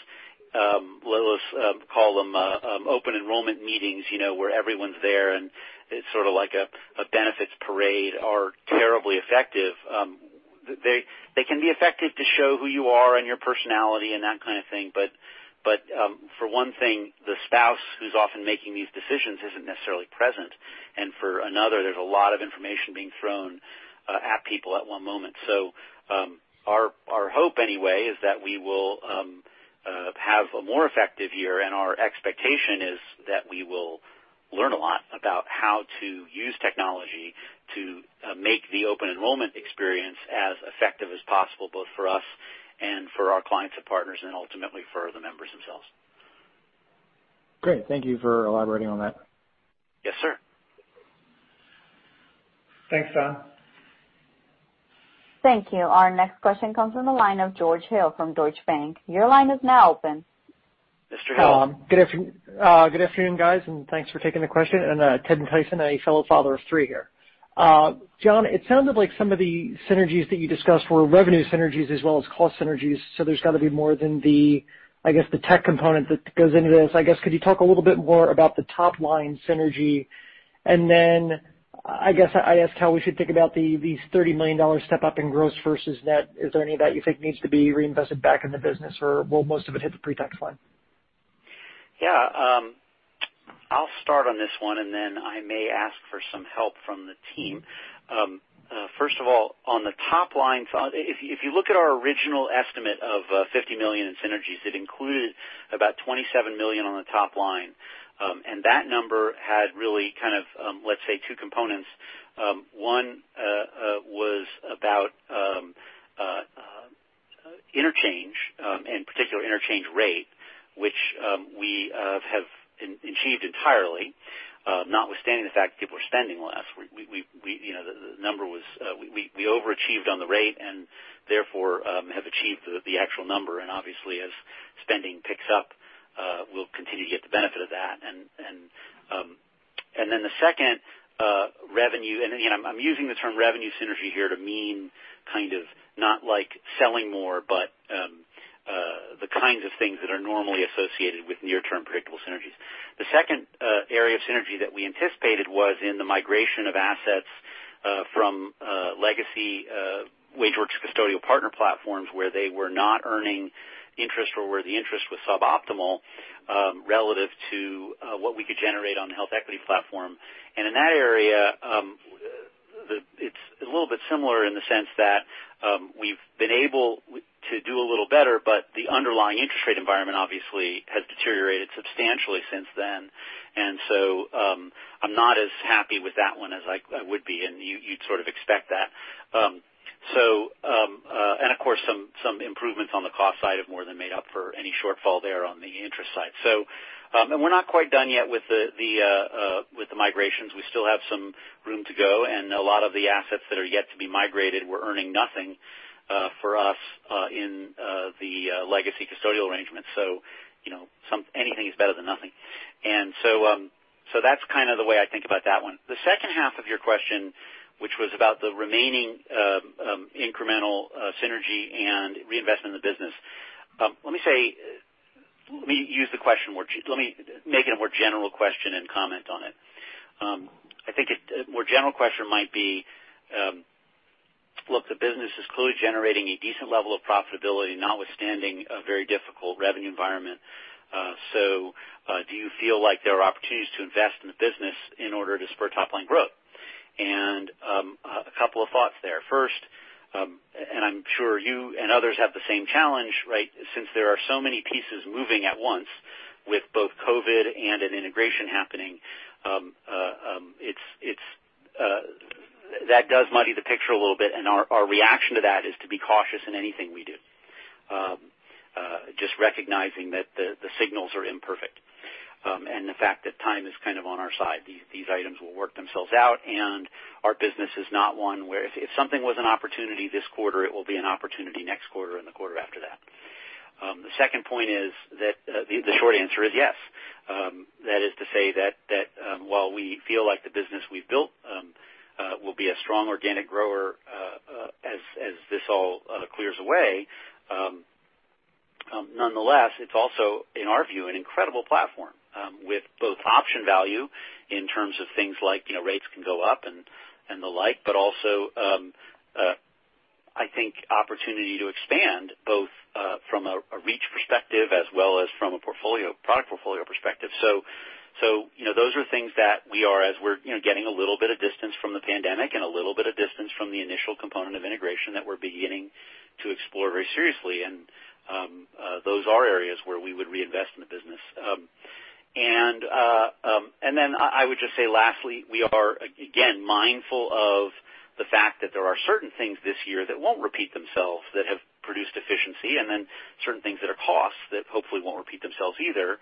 let us call them open enrollment meetings, where everyone's there, and it's sort of like a benefits parade are terribly effective. They can be effective to show who you are and your personality and that kind of thing, but for one thing, the spouse who's often making these decisions isn't necessarily present. For another, there's a lot of information being thrown at people at one moment. Our hope anyway, is that we will have a more effective year, and our expectation is that we will learn a lot about how to use technology to make the open enrollment experience as effective as possible, both for us and for our clients and partners, and ultimately for the members themselves. Great. Thank you for elaborating on that. Yes, sir. Thanks, Don. Thank you. Our next question comes from the line of George Hill from Deutsche Bank. Your line is now open. Mr. Hill. Good afternoon, guys, thanks for taking the question, Ted and Tyson, a fellow father of three here. Jon, it sounded like some of the synergies that you discussed were revenue synergies as well as cost synergies. There's got to be more than the tech component that goes into this. I guess, could you talk a little bit more about the top-line synergy? Then I guess how we should think about these $30 million step up in gross versus net. Is there any of that you think needs to be reinvested back in the business, or will most of it hit the pre-tax line? Yeah. I'll start on this one, then I may ask for some help from the team. First of all, on the top line, if you look at our original estimate of $50 million in synergies, it included about $27 million on the top line. That number had really kind of, let's say, two components. One was about interchange, in particular interchange rate, which we have achieved entirely, notwithstanding the fact that people are spending less. We overachieved on the rate and therefore, have achieved the actual number, obviously as spending picks up, we'll continue to get the benefit of that. Then the second, revenue. Again, I'm using the term revenue synergy here to mean kind of not like selling more, but the kinds of things that are normally associated with near-term predictable synergies. The second area of synergy that we anticipated was in the migration of assets from legacy WageWorks custodial partner platforms, where they were not earning interest or where the interest was suboptimal, relative to what we could generate on the HealthEquity platform. In that area, it's a little bit similar in the sense that, we've been able to do a little better, but the underlying interest rate environment obviously has deteriorated substantially since then. So, I'm not as happy with that one as I would be, you'd sort of expect that. Of course, some improvements on the cost side have more than made up for any shortfall there on the interest side. We're not quite done yet with the migrations. We still have some room to go, and a lot of the assets that are yet to be migrated were earning nothing for us in the legacy custodial arrangements. Anything is better than nothing. That's kind of the way I think about that one. The second half of your question, which was about the remaining incremental synergy and reinvestment in the business. Let me make it a more general question and comment on it. I think a more general question might be, look, the business is clearly generating a decent level of profitability, notwithstanding a very difficult revenue environment. Do you feel like there are opportunities to invest in the business in order to spur top-line growth? A couple of thoughts there. First, I'm sure you and others have the same challenge, since there are so many pieces moving at once with both COVID and an integration happening, that does muddy the picture a little bit, and our reaction to that is to be cautious in anything we do. Just recognizing that the signals are imperfect, and the fact that time is kind of on our side. These items will work themselves out, and our business is not one where if something was an opportunity this quarter, it will be an opportunity next quarter and the quarter after that. The second point is that the short answer is yes. That is to say that while we feel like the business we've built will be a strong organic grower as this all clears away. Nonetheless, it's also, in our view, an incredible platform, with both option value in terms of things like rates can go up and the like, but also I think, opportunity to expand both from a reach perspective as well as from a product portfolio perspective. Those are things that we are, as we're getting a little bit of distance from the pandemic and a little bit of distance from the initial component of integration that we're beginning to explore very seriously. Those are areas where we would reinvest in the business. Then I would just say, lastly, we are, again, mindful of the fact that there are certain things this year that won't repeat themselves, that have produced efficiency and then certain things that are costs that hopefully won't repeat themselves either.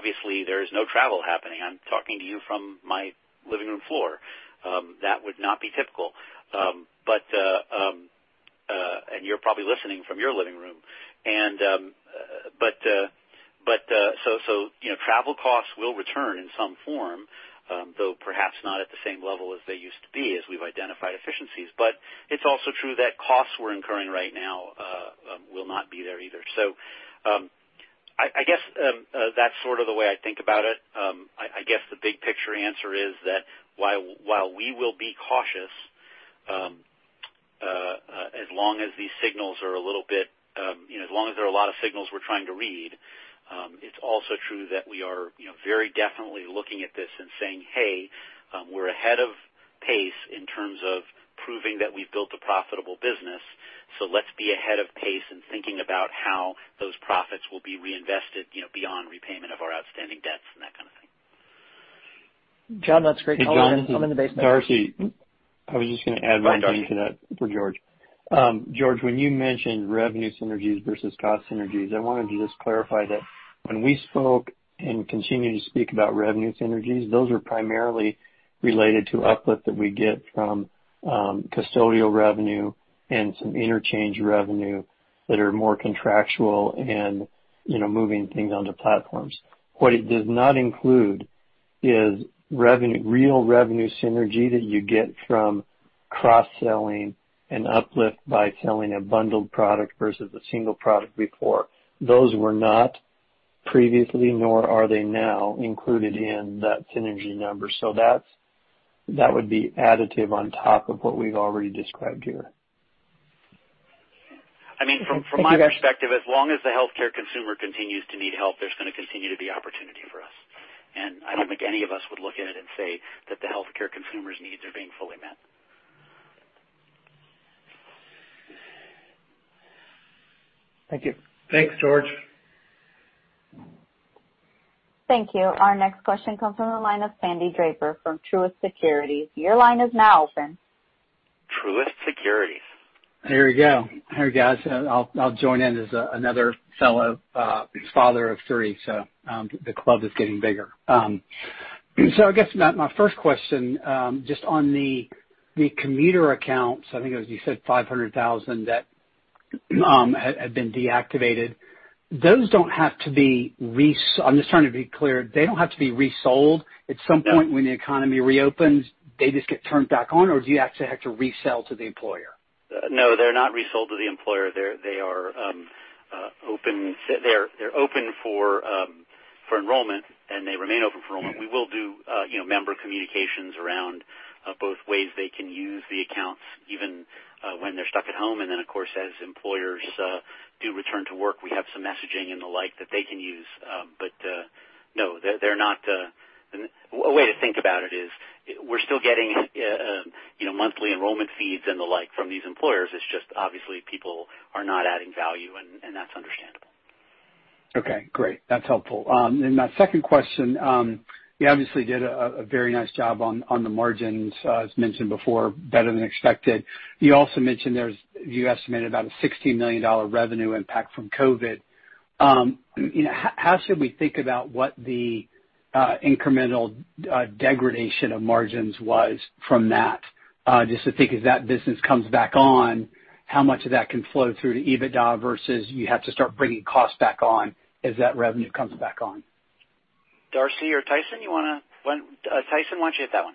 Obviously, there is no travel happening. I'm talking to you from my living room floor. That would not be typical. You're probably listening from your living room. Travel costs will return in some form, though perhaps not at the same level as they used to be, as we've identified efficiencies. But it's also true that costs we're incurring right now will not be there either. I guess, that's sort of the way I think about it. I guess the big picture answer is that while we will be cautious, as long as there are a lot of signals we're trying to read, it's also true that we are very definitely looking at this and saying, "Hey, we're ahead of pace in terms of proving that we've built a profitable business, so let's be ahead of pace in thinking about how those profits will be reinvested beyond repayment of our outstanding debts and that kind of thing. Jon, that's great. Hey, Jon. I am in the basement. Darcy. I was just going to add one thing. Hi, Darcy, to that for George. George, when you mentioned revenue synergies versus cost synergies, I wanted to just clarify that when we spoke and continue to speak about revenue synergies, those are primarily related to uplift that we get from custodial revenue and some interchange revenue that are more contractual and moving things onto platforms. What it does not include is real revenue synergy that you get from cross-selling and uplift by selling a bundled product versus a single product before. Those were not previously, nor are they now, included in that synergy number. That would be additive on top of what we have already described here. I mean, from my perspective, as long as the healthcare consumer continues to need help, there is going to continue to be opportunity for us. I do not think any of us would look at it and say that the healthcare consumer's needs are being fully met. Thank you. Thanks, George. Thank you. Our next question comes from the line of Sandy Draper from Truist Securities. Your line is now open. Truist Securities. Here we go. Hey, guys. I'll join in as another fellow father of three, the club is getting bigger. I guess, my first question, just on the commuter accounts, I think it was you said 500,000 that have been deactivated. I'm just trying to be clear, they don't have to be resold at some point No when the economy reopens, they just get turned back on, or do you actually have to resell to the employer? No, they're not resold to the employer. They're open for enrollment, and they remain open for enrollment. We will do member communications around both ways they can use the accounts even when they're stuck at home. Of course, as employers do return to work, we have some messaging and the like that they can use. No. A way to think about it is we're still getting monthly enrollment fees and the like from these employers, it's just obviously people are not adding value, and that's understandable. Okay, great. That's helpful. My second question, you obviously did a very nice job on the margins, as mentioned before, better than expected. You also mentioned you estimated about a $60 million revenue impact from COVID-19. How should we think about what the incremental degradation of margins was from that? Just to think as that business comes back on, how much of that can flow through to EBITDA versus you have to start bringing costs back on as that revenue comes back on. Darcy or Tyson, why don't you hit that one?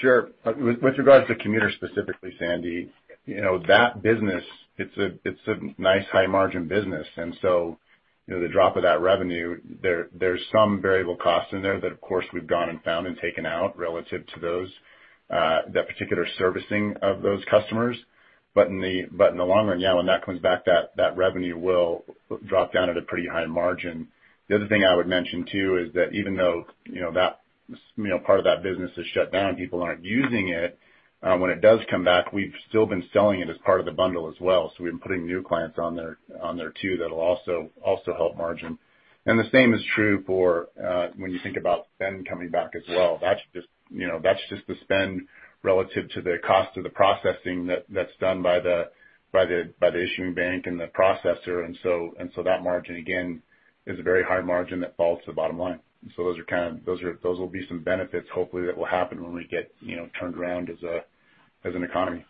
Sure. With regards to commuter specifically, Sandy, that business, it's a nice high-margin business. The drop of that revenue, there's some variable cost in there that, of course, we've gone and found and taken out relative to that particular servicing of those customers. In the long run, yeah, when that comes back, that revenue will drop down at a pretty high margin. The other thing I would mention, too, is that even though part of that business is shut down, people aren't using it, when it does come back, we've still been selling it as part of the bundle as well. We've been putting new clients on there, too. That'll also help margin. The same is true for when you think about spend coming back as well. That's just the spend relative to the cost of the processing that's done by the issuing bank and the processor. That margin, again, is a very high margin that falls to the bottom line. Those will be some benefits, hopefully, that will happen when we get turned around as an economy.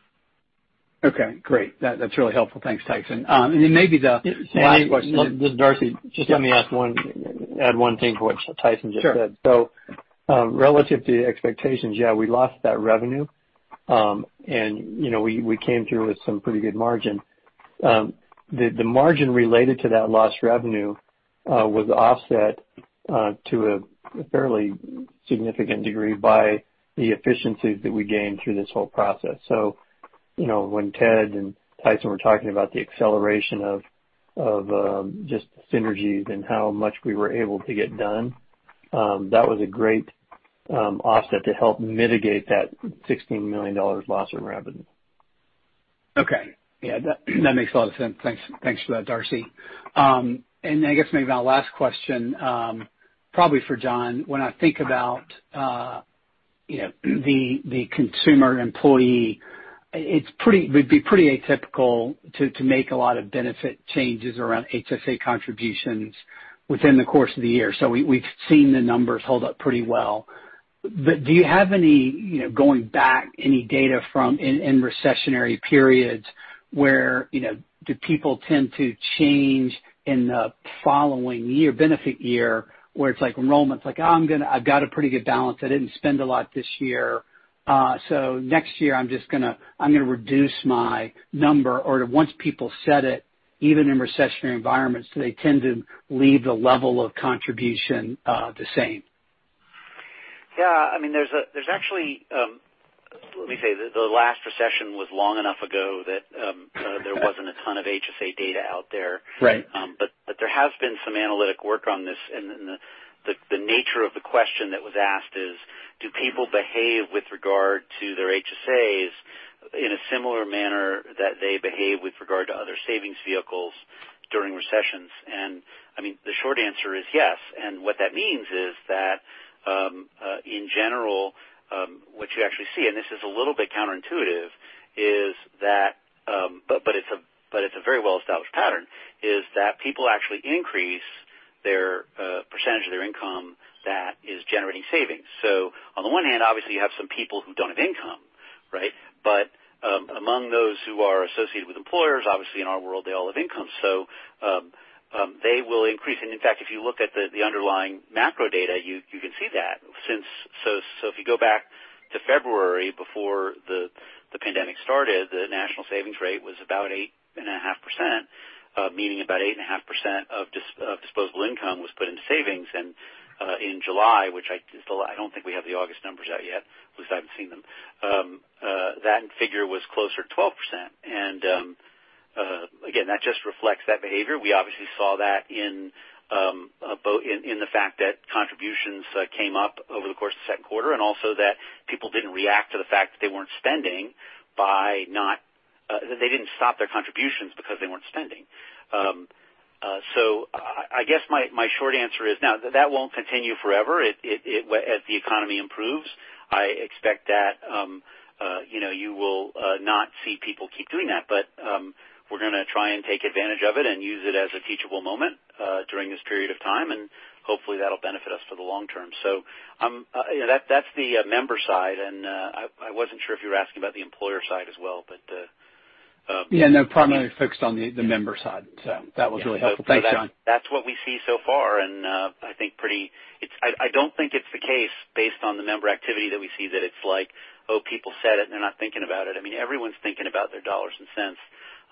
Okay, great. That's really helpful. Thanks, Tyson. Maybe the last question- Sandy. This is Darcy. Yeah. Just let me add one thing to what Tyson just said. Sure. Relative to expectations, yeah, we lost that revenue, and we came through with some pretty good margin. The margin related to that lost revenue was offset to a fairly significant degree by the efficiencies that we gained through this whole process. When Ted and Tyson were talking about the acceleration of just synergies and how much we were able to get done, that was a great offset to help mitigate that $16 million loss in revenue. Okay. That makes a lot of sense. Thanks for that, Darcy. I guess maybe my last question, probably for Jon. When I think about the consumer employee, it would be pretty atypical to make a lot of benefit changes around HSA contributions within the course of the year. We have seen the numbers hold up pretty well. Do you have, going back, any data from in recessionary periods where, do people tend to change in the following year, benefit year, where it is like enrollments, like, "Oh, I have got a pretty good balance. I did not spend a lot this year. Next year I am going to reduce my number." Once people set it, even in recessionary environments, do they tend to leave the level of contribution the same? Yeah, there is actually, let me say, the last recession was long enough ago that there was not a ton of HSA data out there. Right. There has been some analytic work on this, and the nature of the question that was asked is, do people behave with regard to their HSAs in a similar manner that they behave with regard to other savings vehicles during recessions? I mean, the short answer is yes. What that means is that, in general, what you actually see, and this is a little bit counterintuitive, but it is a very well-established pattern, is that people actually increase their percentage of their income that is generating savings. On the one hand, obviously, you have some people who do not have income, right? Among those who are associated with employers, obviously in our world, they all have income. They will increase. In fact, if you look at the underlying macro data, you can see that. If you go back to February before the pandemic started, the national savings rate was about 8.5%, meaning about 8.5% of disposable income was put into savings. In July, which I do not think we have the August numbers out yet, at least I have not seen them. That figure was closer to 12%. Again, that just reflects that behavior. We obviously saw that in the fact that contributions came up over the course of the second quarter, and also that people did not react to the fact that they were not spending. They did not stop their contributions because they were not spending. I guess my short answer is now that will not continue forever. As the economy improves, I expect that you will not see people keep doing that. We're going to try and take advantage of it and use it as a teachable moment during this period of time, and hopefully that'll benefit us for the long term. That's the member side, and I wasn't sure if you were asking about the employer side as well. Yeah, no, primarily focused on the member side. That was really helpful. Thanks, Jon. That's what we see so far, and I don't think it's the case based on the member activity that we see that it's like, oh, people said it and they're not thinking about it. I mean, everyone's thinking about their dollars and cents.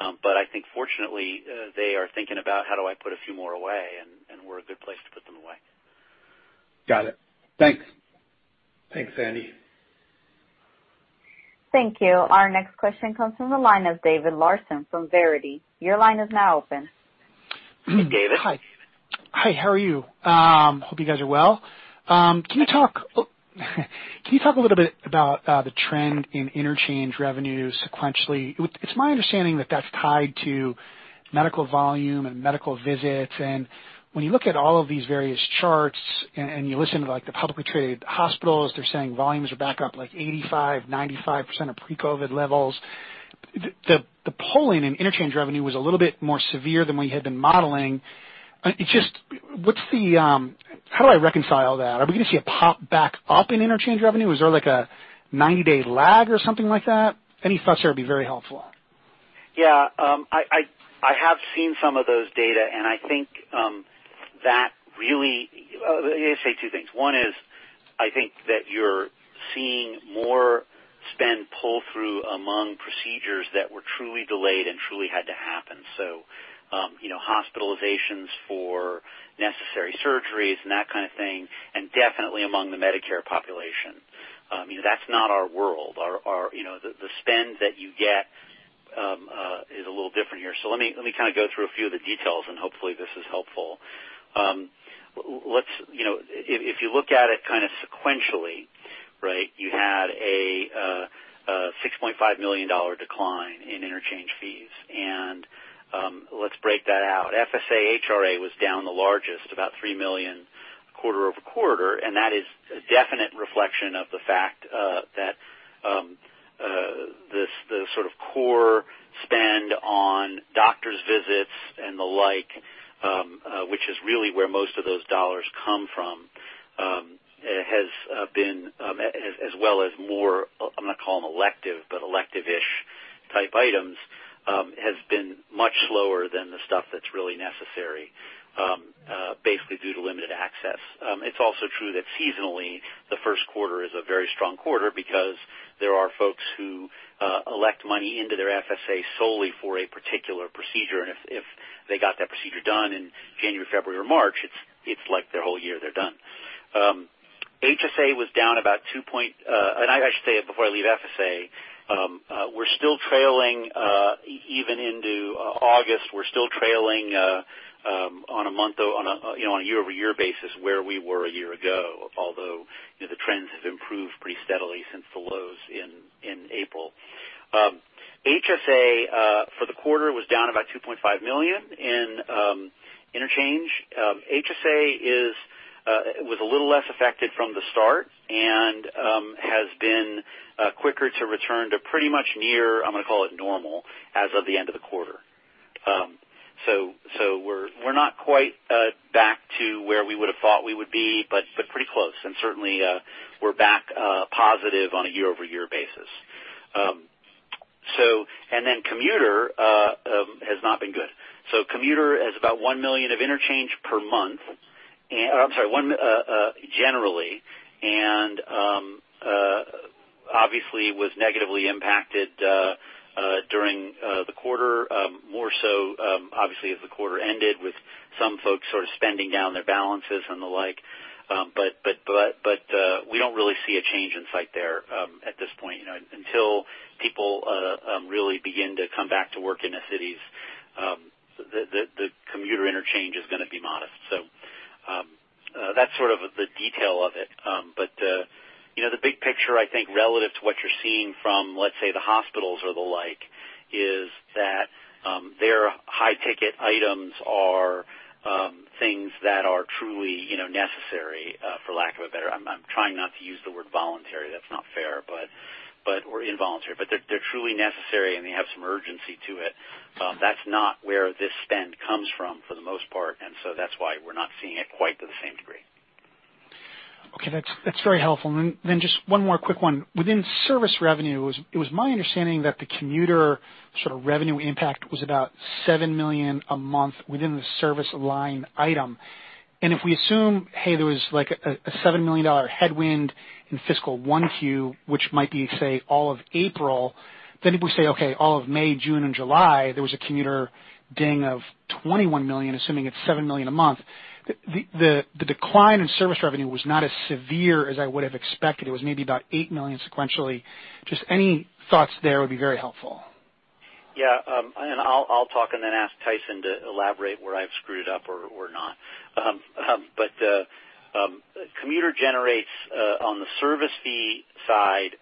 I think fortunately, they are thinking about how do I put a few more away, and we're a good place to put them away. Got it. Thanks. Thanks, Andy. Thank you. Our next question comes from the line of David Larsen from Verity. Your line is now open. Hey, David. Hi. How are you? Hope you guys are well. Can you talk a little bit about the trend in interchange revenue sequentially? It's my understanding that that's tied to medical volume and medical visits. When you look at all of these various charts, and you listen to the publicly traded hospitals, they're saying volumes are back up like 85%, 95% of pre-COVID levels. The pulling in interchange revenue was a little bit more severe than we had been modeling. How do I reconcile that? Are we going to see a pop back up in interchange revenue? Is there like a 90-day lag or something like that? Any thoughts there would be very helpful. Yeah. I think that really I'm going to say two things. One is, I think that you're seeing more spend pull through among procedures that were truly delayed and truly had to happen. Hospitalizations for necessary surgeries and that kind of thing, and definitely among the Medicare population. That's not our world. The spend that you get is a little different here. Let me kind of go through a few of the details, and hopefully this is helpful. If you look at it kind of sequentially, you had a $6.5 million decline in interchange fees, and let's break that out. FSA HRA was down the largest, about $3 million quarter-over-quarter. That is a definite reflection of the fact that the sort of core spend on doctor's visits and the like, which is really where most of those dollars come from, as well as more, I'm going to call them elective, but elective-ish type items, has been much slower than the stuff that's really necessary, basically due to limited access. It's also true that seasonally, the first quarter is a very strong quarter because there are folks who elect money into their FSA solely for a particular procedure. If they got that procedure done in January, February, or March, it's like their whole year, they're done. HSA was down about two point. I should say it before I leave FSA. We're still trailing, even into August, we're still trailing on a year-over-year basis where we were a year ago. The trends have improved pretty steadily since the lows in April. HSA, for the quarter, was down about $2.5 million in interchange. HSA was a little less affected from the start and has been quicker to return to pretty much near, I'm going to call it normal, as of the end of the quarter. We're not quite back to where we would've thought we would be, but pretty close. Certainly, we're back positive on a year-over-year basis. Then commuter has not been good. Commuter has about $1 million of interchange per month. I'm sorry, generally, and obviously was negatively impacted during the quarter, more so obviously as the quarter ended with some folks sort of spending down their balances and the like. We don't really see a change in sight there at this point. Until people really begin to come back to work in the cities, the commuter interchange is going to be modest. That's sort of the detail of it. The big picture, I think, relative to what you're seeing from, let's say, the hospitals or the like, is that their high-ticket items are things that are truly necessary, for lack of a better I'm trying not to use the word voluntary, that's not fair. Or involuntary. They're truly necessary, and they have some urgency to it. That's not where this spend comes from for the most part, and so that's why we're not seeing it quite to the same degree. Okay. That's very helpful. Just one more quick one. Within service revenue, it was my understanding that the commuter sort of revenue impact was about $7 million a month within the service line item. If we assume, hey, there was like a $7 million headwind in fiscal 1Q, which might be, say, all of April. If we say, okay, all of May, June, and July, there was a commuter ding of $21 million, assuming it's $7 million a month. The decline in service revenue was not as severe as I would've expected. It was maybe about $8 million sequentially. Any thoughts there would be very helpful. Yeah. I'll talk and then ask Tyson to elaborate where I've screwed up or not. Commuter generates, on the service fee side,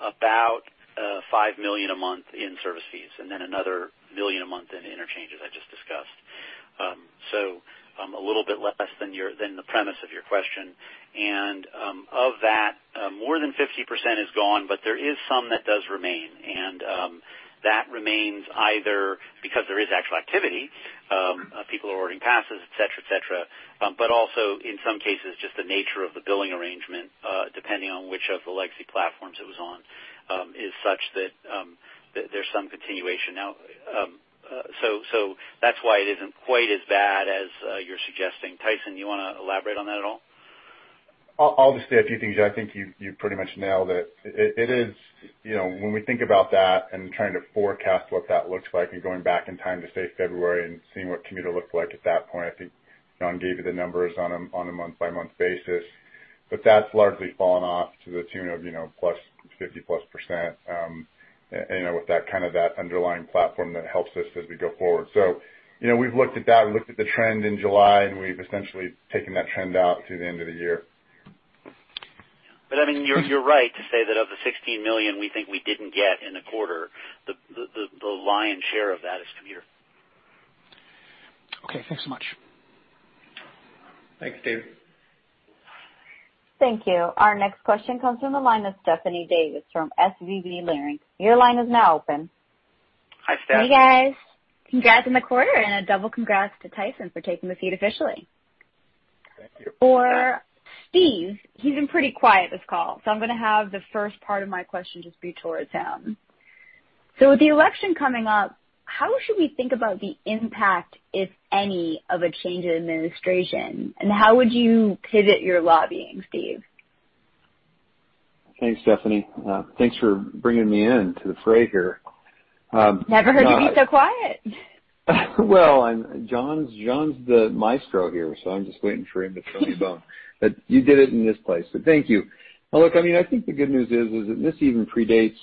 about $5 million a month in service fees, and then another $1 million a month in interchange, as I just discussed. A little bit less than the premise of your question. Of that, more than 50% is gone, but there is some that does remain. That remains either because there is actual activity, people are ordering passes, et cetera. Also, in some cases, just the nature of the billing arrangement, depending on which of the legacy platforms it was on, is such that there's some continuation now. That's why it isn't quite as bad as you're suggesting. Tyson, you want to elaborate on that at all? I'll just say a few things. I think you pretty much nailed it. When we think about that and trying to forecast what that looks like and going back in time to, say, February and seeing what commuter looked like at that point, I think Jon gave you the numbers on a month-by-month basis. That's largely fallen off to the tune of +50+% with kind of that underlying platform that helps us as we go forward. We've looked at that, we looked at the trend in July, and we've essentially taken that trend out through the end of the year. I mean, you're right to say that of the $16 million we think we didn't get in the quarter, the lion's share of that is commuter. Okay, thanks so much. Thanks, David. Thank you. Our next question comes from the line of Stephanie Davis from SVB Leerink. Your line is now open. Hi, Steph. Hey, guys. Congrats on the quarter. A double congrats to Tyson for taking the seat officially. Thank you. For Steve, he's been pretty quiet this call. I'm going to have the first part of my question just be towards him. With the election coming up, how should we think about the impact, if any, of a change in administration? How would you pivot your lobbying, Steve? Thanks, Stephanie. Thanks for bringing me into the fray here. Never heard you be so quiet. Well, Jon's the maestro here, so I'm just waiting for him to throw me a bone. You did it in his place, so thank you. I think the good news is that this even predates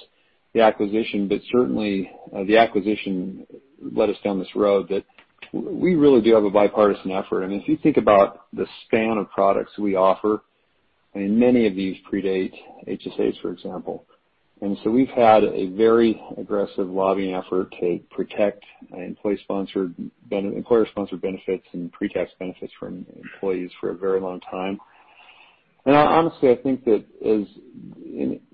the acquisition, but certainly the acquisition led us down this road that we really do have a bipartisan effort. If you think about the span of products we offer, and many of these predate HSAs, for example. We've had a very aggressive lobbying effort to protect employer-sponsored benefits and pre-tax benefits for employees for a very long time. Honestly, I think that as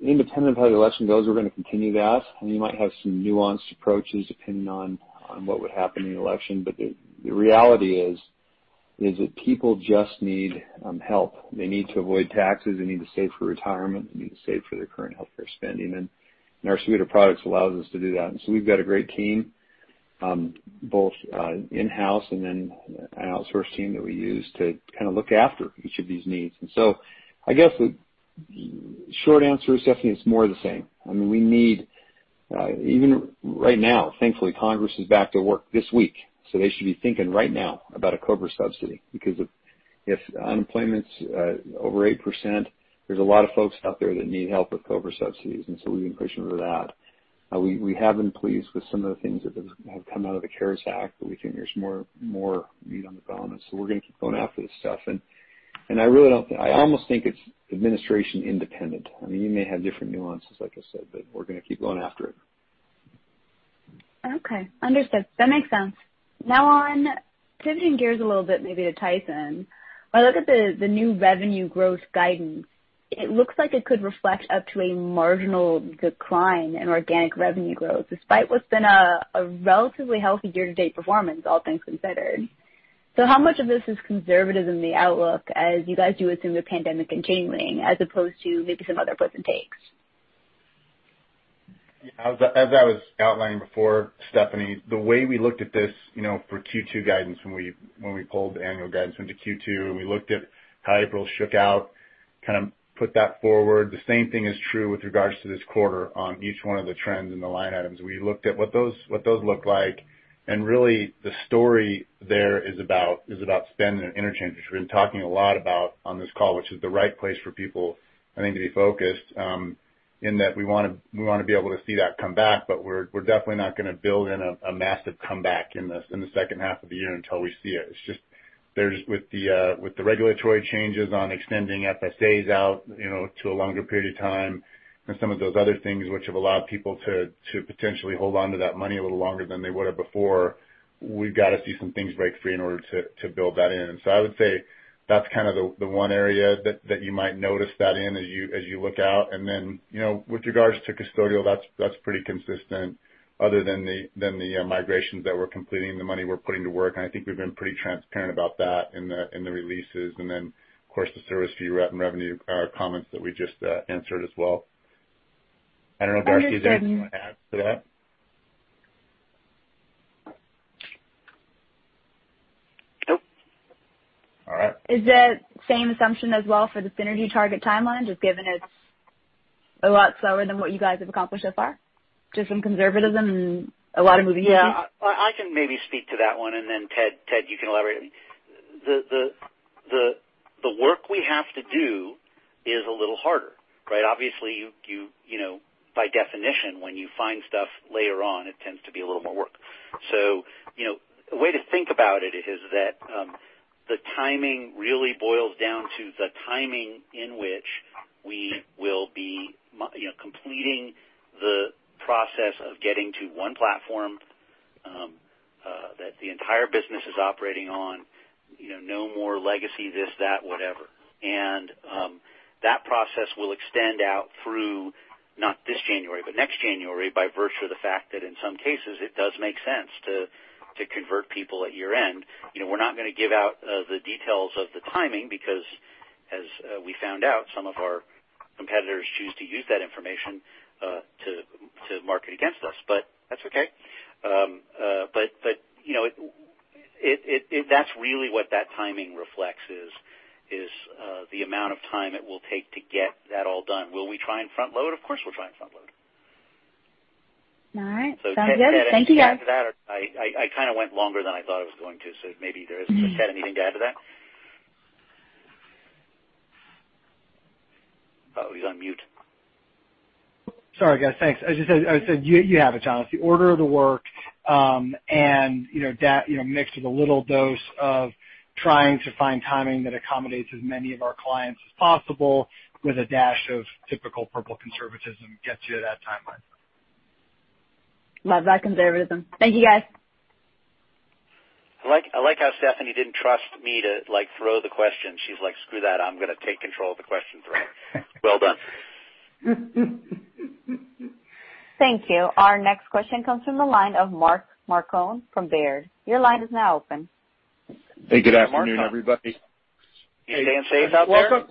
independent of how the election goes, we're going to continue that. We might have some nuanced approaches depending on what would happen in the election. The reality is that people just need help. They need to avoid taxes. They need to save for retirement. They need to save for their current healthcare spending. Our suite of products allows us to do that. We've got a great team, both in-house and then an outsource team that we use to kind of look after each of these needs. Short answer is definitely it's more of the same. Even right now, thankfully, Congress is back to work this week, they should be thinking right now about a COBRA subsidy because if unemployment's over 8%, there's a lot of folks out there that need help with COBRA subsidies, we've been pushing for that. We haven't been pleased with some of the things that have come out of the CARES Act, we think there's more meat on the bone. We're going to keep going after this stuff. I almost think it's administration independent. You may have different nuances, like I said, we're going to keep going after it. Okay. Understood. That makes sense. Now on pivoting gears a little bit maybe to Tyson. I look at the new revenue growth guidance. It looks like it could reflect up to a marginal decline in organic revenue growth, despite what's been a relatively healthy year-to-date performance, all things considered. How much of this is conservative in the outlook as you guys do assume the pandemic continuing as opposed to maybe some other pluses and takes? As I was outlining before, Stephanie, the way we looked at this for Q2 guidance when we pulled the annual guidance into Q2, and we looked at how April shook out, kind of put that forward. The same thing is true with regards to this quarter on each one of the trends and the line items. We looked at what those look like. Really the story there is about spend and interchange, which we've been talking a lot about on this call, which is the right place for people, I think, to be focused, in that we want to be able to see that come back. We're definitely not going to build in a massive comeback in the second half of the year until we see it. It's just with the regulatory changes on extending FSAs out to a longer period of time, and some of those other things which have allowed people to potentially hold onto that money a little longer than they would have before. We've got to see some things break free in order to build that in. I would say that's kind of the one area that you might notice that in as you look out. Then, with regards to custodial, that's pretty consistent other than the migrations that we're completing, the money we're putting to work, and I think we've been pretty transparent about that in the releases, then of course, the service fee and revenue comments that we just answered as well. I don't know, Darcy- Understood if there's anything you want to add to that? Nope. All right. Is that same assumption as well for the synergy target timeline, just given it's a lot slower than what you guys have accomplished so far? Just some conservatism and a lot of moving pieces. Yeah. I can maybe speak to that one, then Ted, you can elaborate. I mean, the work we have to do is a little harder, right? Obviously, by definition, when you find stuff later on, it tends to be a little more work. A way to think about it is that the timing really boils down to the timing in which we will be completing the process of getting to one platform that the entire business is operating on. No more legacy, this, that, whatever. That process will extend out through not this January, but next January by virtue of the fact that in some cases it does make sense to convert people at year-end. We're not going to give out the details of the timing because as we found out, some of our competitors choose to use that information to market against us. That's okay. That's really what that timing reflects is the amount of time it will take to get that all done. Will we try and front-load? Of course, we'll try and front-load. All right. Sounds good. Thank you, guys. Ted, anything to add to that? I kind of went longer than I thought I was going to, so maybe there is. Does Ted have anything to add to that? He's on mute. Sorry, guys. Thanks. As you said, you have it, Jon. It's the order of the work, and mixed with a little dose of trying to find timing that accommodates as many of our clients as possible with a dash of typical Purple conservatism gets you to that timeline. Love that conservatism. Thank you, guys. I like how Stephanie didn't trust me to throw the question. She's like, "Screw that. I'm going to take control of the question thread." Well done. Thank you. Our next question comes from the line of Mark Marcon from Baird. Your line is now open. Hey, good afternoon, everybody. Staying safe out there?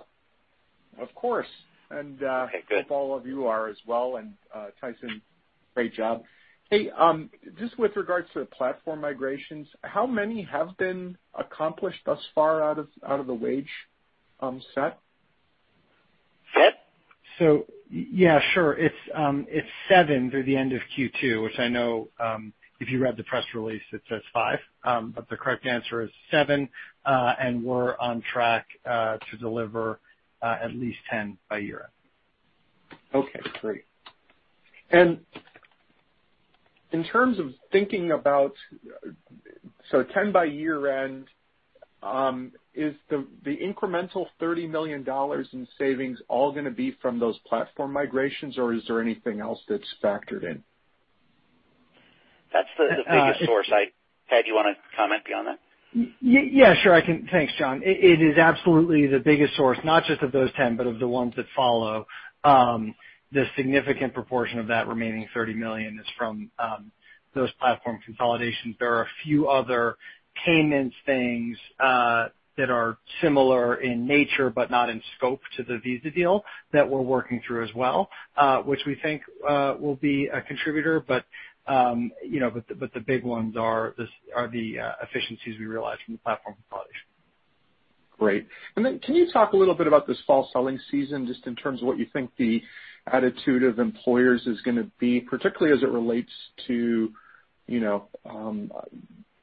Of course. Okay, good. Hope all of you are as well. Tyson, great job. Hey, just with regards to the platform migrations, how many have been accomplished thus far out of the wage set? Ted? Yeah, sure. It's seven through the end of Q2, which I know if you read the press release it says five. The correct answer is seven. We're on track to deliver at least 10 by year-end. Okay, great. In terms of thinking about 10 by year end, is the incremental $30 million in savings all going to be from those platform migrations or is there anything else that's factored in? That's the biggest source. Ted, do you want to comment beyond that? Yeah, sure. Thanks, Jon. It is absolutely the biggest source, not just of those 10, but of the ones that follow. The significant proportion of that remaining $30 million is from those platform consolidations. There are a few other payments things that are similar in nature, but not in scope to the Visa deal that we're working through as well, which we think will be a contributor. The big ones are the efficiencies we realize from the platform consolidation. Great. Then can you talk a little bit about this fall selling season, just in terms of what you think the attitude of employers is going to be, particularly as it relates to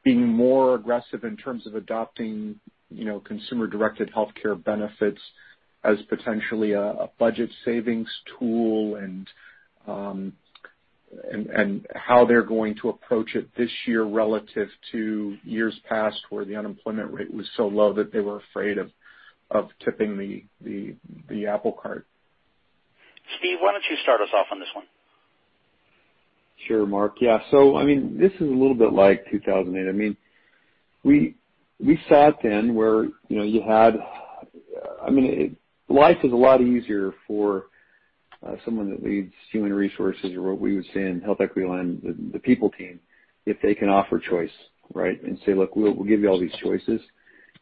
being more aggressive in terms of adopting consumer-directed healthcare benefits as potentially a budget savings tool and how they're going to approach it this year relative to years past where the unemployment rate was so low that they were afraid of tipping the apple cart? Steve, why don't you start us off on this one? Sure, Mark. Yeah. This is a little bit like 2008. Life is a lot easier for someone that leads human resources, or what we would say in HealthEquity land, the people team, if they can offer choice, right? Say, "Look, we'll give you all these choices."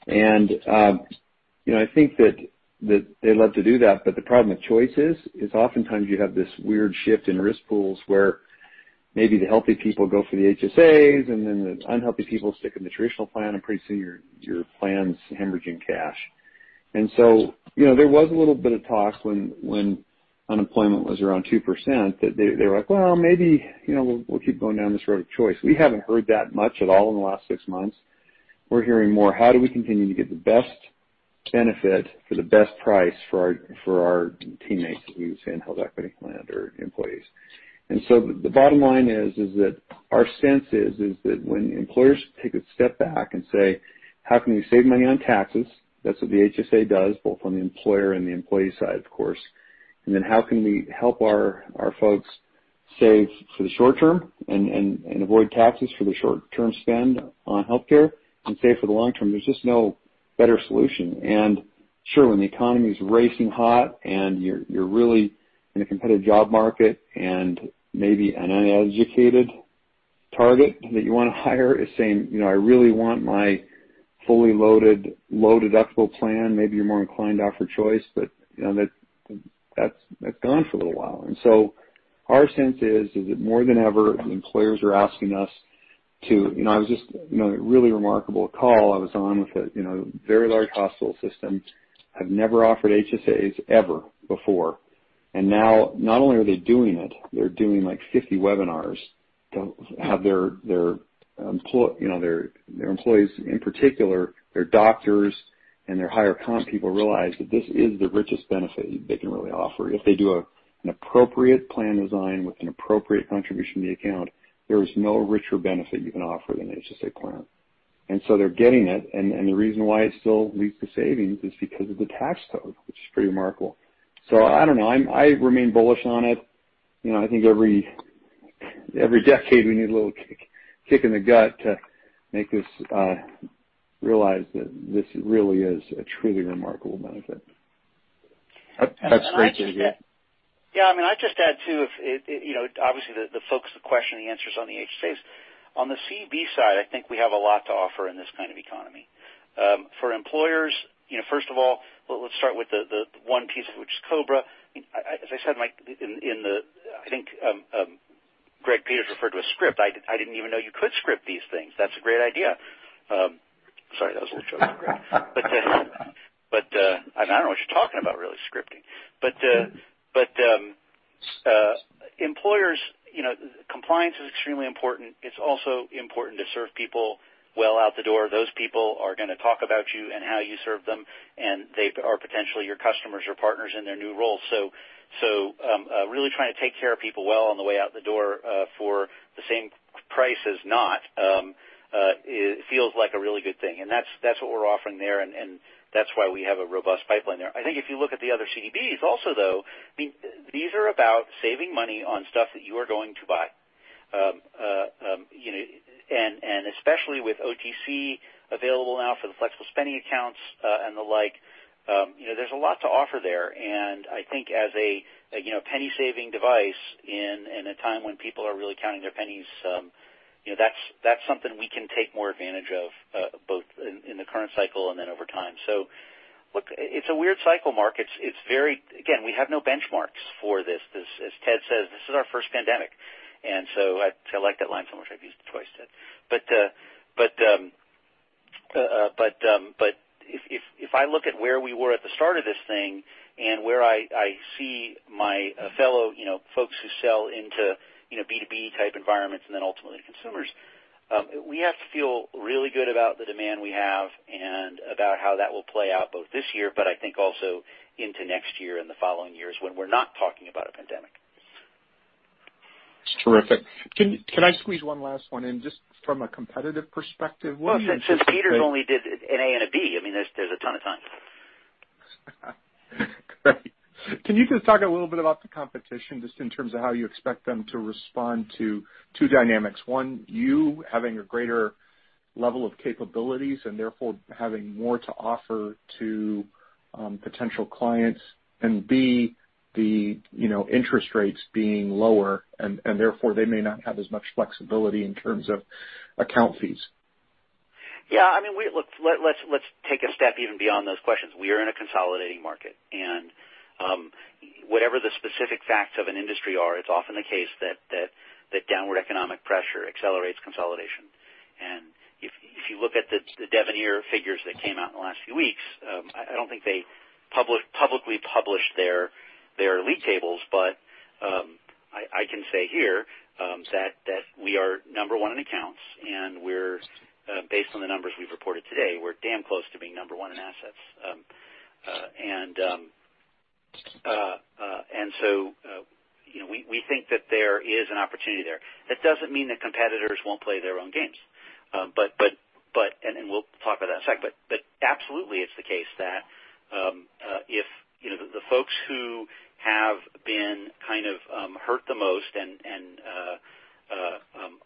I think that they love to do that, but the problem with choice is oftentimes you have this weird shift in risk pools where maybe the healthy people go for the HSAs, and then the unhealthy people stick in the traditional plan, and pretty soon your plan's hemorrhaging cash. There was a little bit of talk when unemployment was around 2% that they were like, "Well, maybe, we'll keep going down this road of choice." We haven't heard that much at all in the last six months. We're hearing more, how do we continue to get the best benefit for the best price for our teammates, as we say in HealthEquity land, or employees. The bottom line is that our sense is that when employers take a step back and say, "How can we save money on taxes?" That's what the HSA does, both on the employer and the employee side, of course. How can we help our folks save for the short term and avoid taxes for the short-term spend on healthcare and save for the long term? There's just no better solution. Sure, when the economy's racing hot and you're really in a competitive job market and maybe an uneducated target that you want to hire is saying, "I really want my fully loaded, low-deductible plan," maybe you're more inclined to offer choice, but that's gone for a little while. Our sense is that more than ever, employers are asking us to A really remarkable call I was on with a very large hospital system, have never offered HSAs ever before. Now, not only are they doing it, they're doing 50 webinars to have their employees, in particular their doctors and their higher comp people realize that this is the richest benefit they can really offer. If they do an appropriate plan design with an appropriate contribution to the account, there is no richer benefit you can offer than an HSA plan. They're getting it, and the reason why it still leads to savings is because of the tax code, which is pretty remarkable. I don't know. I remain bullish on it. I think every decade we need a little kick in the gut to make us realize that this really is a truly remarkable benefit. That's great to hear. I'd just add, too, obviously the focus of the question and the answer is on the HSAs. On the CD side, I think we have a lot to offer in this kind of economy. For employers, first of all, let's start with the one piece of which is COBRA. As I said, Mike, I think Greg Peters referred to a script. I didn't even know you could script these things. That's a great idea. Sorry, that was a little joke. I don't know what you're talking about, really, scripting. Employers, compliance is extremely important. It's also important to serve people well out the door. Those people are going to talk about you and how you serve them, and they are potentially your customers or partners in their new role. Really trying to take care of people well on the way out the door for the same price as not, feels like a really good thing. That's what we're offering there, and that's why we have a robust pipeline there. I think if you look at the other CDBs also, though, these are about saving money on stuff that you are going to buy. Especially with OTC available now for the flexible spending accounts and the like, there's a lot to offer there. I think as a penny-saving device in a time when people are really counting their pennies, that's something we can take more advantage of, both in the current cycle and then over time. Look, it's a weird cycle, Mark. Again, we have no benchmarks for this. As Ted says, this is our first pandemic. I like that line so much I've used it twice, Ted. If I look at where we were at the start of this thing and where I see my fellow folks who sell into B2B type environments and then ultimately to consumers, we have to feel really good about the demand we have and about how that will play out both this year, I think also into next year and the following years when we're not talking about a pandemic. That's terrific. Can I squeeze one last one in, just from a competitive perspective? What do you- Since Peter only did an A and a B, there's a ton of time. Great. Can you just talk a little bit about the competition, just in terms of how you expect them to respond to two dynamics? One, you having a greater level of capabilities and therefore having more to offer to potential clients, and B, the interest rates being lower and therefore they may not have as much flexibility in terms of account fees. Yeah. Let's take a step even beyond those questions. We are in a consolidating market. Whatever the specific facts of an industry are, it's often the case that downward economic pressure accelerates consolidation. If you look at the Devenir figures that came out in the last few weeks, I don't think they publicly published their league tables, but I can say here that we are number one in accounts, and based on the numbers we've reported today, we're damn close to being number one in assets. We think that there is an opportunity there. That doesn't mean that competitors won't play their own games. We'll talk about that in a sec. Absolutely, it's the case that the folks who have been kind of hurt the most and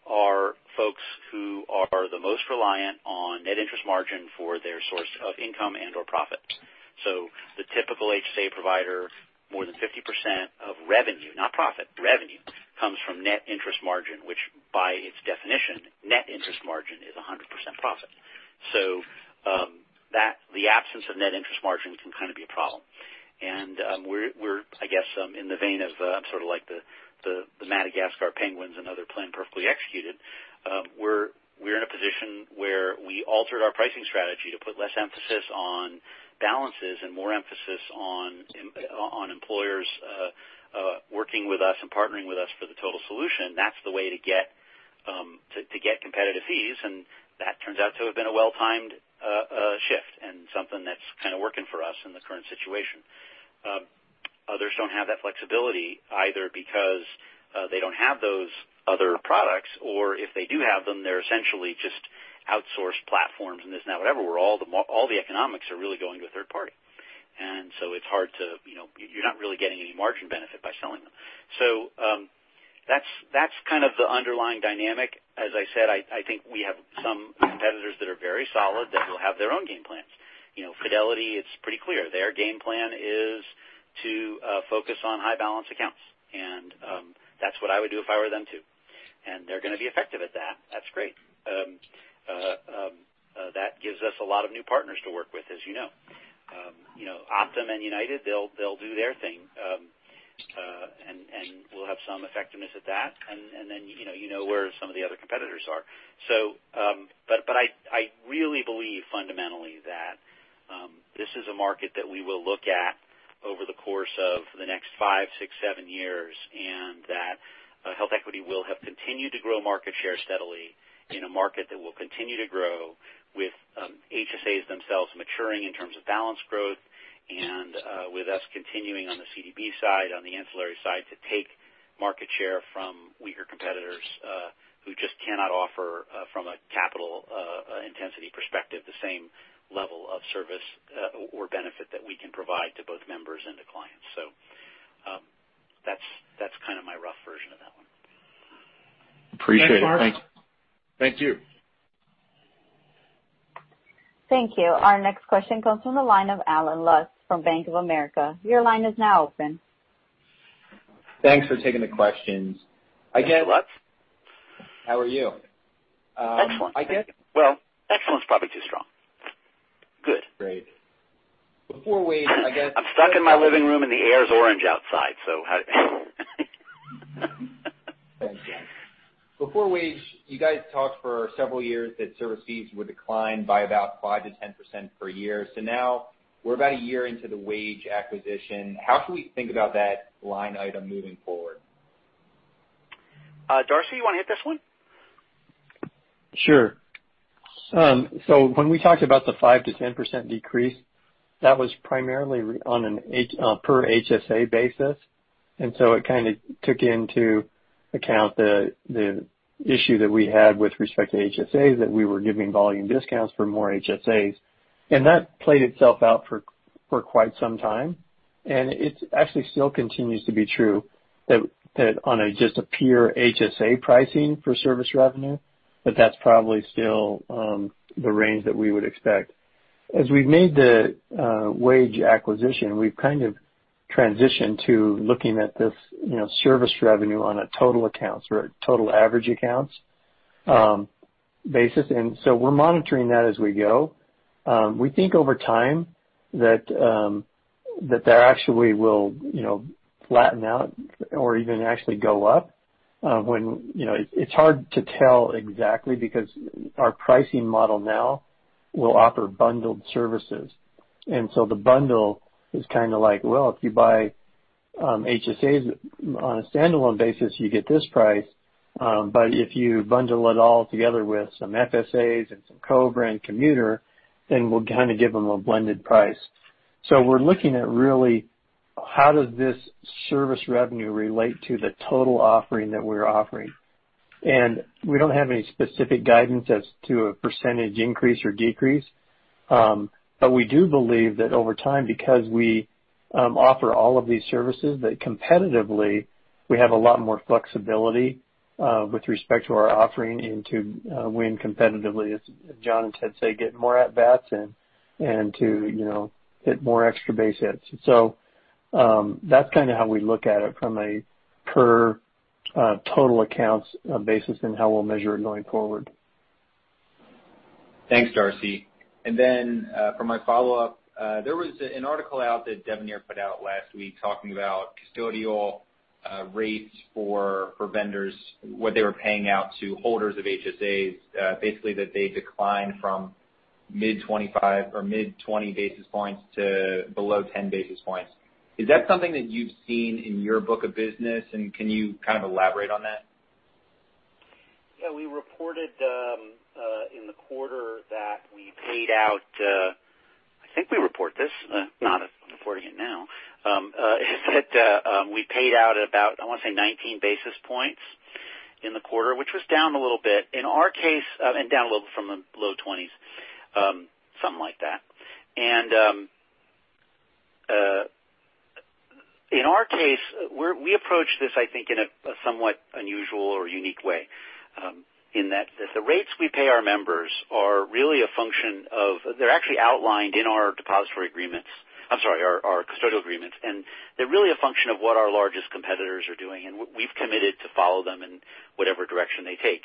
are folks who are the most reliant on net interest margin for their source of income and/or profit. The typical HSA provider, more than 50% of revenue, not profit, revenue, comes from net interest margin, which by its definition, net interest margin is 100% profit. The absence of net interest margin can kind of be a problem. We're, I guess, in the vein of sort of like the Madagascar penguins and other plan perfectly executed. We're in a position where we altered our pricing strategy to put less emphasis on balances and more emphasis on employers working with us and partnering with us for the total solution. That's the way to get competitive fees, and that turns out to have been a well-timed shift and something that's kind of working for us in the current situation. Others don't have that flexibility either because they don't have those other products, or if they do have them, they're essentially just outsourced platforms, and this, that, whatever, where all the economics are really going to a third party. You're not really getting any margin benefit by selling them. That's kind of the underlying dynamic. As I said, I think we have some competitors that are very solid that will have their own game plans. Fidelity, it's pretty clear, their game plan is to focus on high balance accounts. That's what I would do if I were them, too. They're going to be effective at that. That's great. That gives us a lot of new partners to work with, as you know. Optum and United, they'll do their thing, and we'll have some effectiveness at that. You know where some of the other competitors are. I really believe fundamentally that this is a market that we will look at over the course of the next five, six, seven years, and that HealthEquity will have continued to grow market share steadily in a market that will continue to grow with HSAs themselves maturing in terms of balance growth, and with us continuing on the CDB side, on the ancillary side, to take market share from weaker competitors who just cannot offer from a capital intensity perspective the same level of service or benefit that we can provide to both members and to clients. That's kind of my rough version of that one. Appreciate it. Thanks. Thank you. Thank you. Our next question comes from the line of Allen Lutz from Bank of America. Your line is now open. Thanks for taking the questions. Hi, Allen Lutz. How are you? Excellent. Hi, Allen. Well, excellent is probably too strong. Good. Great. I'm stuck in my living room, and the air's orange outside. Before Wage, you guys talked for several years that service fees would decline by about 5%-10% per year. Now we're about a year into the Wage acquisition. How should we think about that line item moving forward? Darcy, you want to hit this one? Sure. When we talked about the 5% to 10% decrease, that was primarily on a per HSA basis. It kind of took into account the issue that we had with respect to HSAs, that we were giving volume discounts for more HSAs. That played itself out for quite some time. It actually still continues to be true that on just a pure HSA pricing for service revenue, that that's probably still the range that we would expect. As we've made the Wage acquisition, we've kind of transitioned to looking at this service revenue on a total accounts or a total average accounts basis. We're monitoring that as we go. We think over time that they actually will flatten out or even actually go up. It's hard to tell exactly because our pricing model now will offer bundled services. The bundle is kind of like, well, if you buy HSAs on a standalone basis, you get this price. If you bundle it all together with some FSAs and some COBRA and commuter, we'll kind of give them a blended price. We're looking at really how does this service revenue relate to the total offering that we're offering. We don't have any specific guidance as to a percentage increase or decrease. We do believe that over time, because we offer all of these services, that competitively, we have a lot more flexibility with respect to our offering and to win competitively, as Jon and Ted say, get more at-bats and to hit more extra base hits. That's kind of how we look at it from a per total accounts basis and how we'll measure it going forward. Thanks, Darcy. For my follow-up, there was an article out that Devenir put out last week talking about custodial rates for vendors, what they were paying out to holders of HSAs. Basically, that they declined from mid-25 or mid-20 basis points to below 10 basis points. Is that something that you've seen in your book of business, and can you kind of elaborate on that? Yeah, we reported in the quarter that we paid out I think we report this, not reporting it now. We paid out about, I want to say 19 basis points in the quarter, which was down a little bit. In our case, down a little bit from the low 20s, something like that. In our case, we approach this, I think in a somewhat unusual or unique way, in that the rates we pay our members are really a function of They're actually outlined in our depository agreements. I'm sorry, our custodial agreements. They're really a function of what our largest competitors are doing, and we've committed to follow them in whatever direction they take.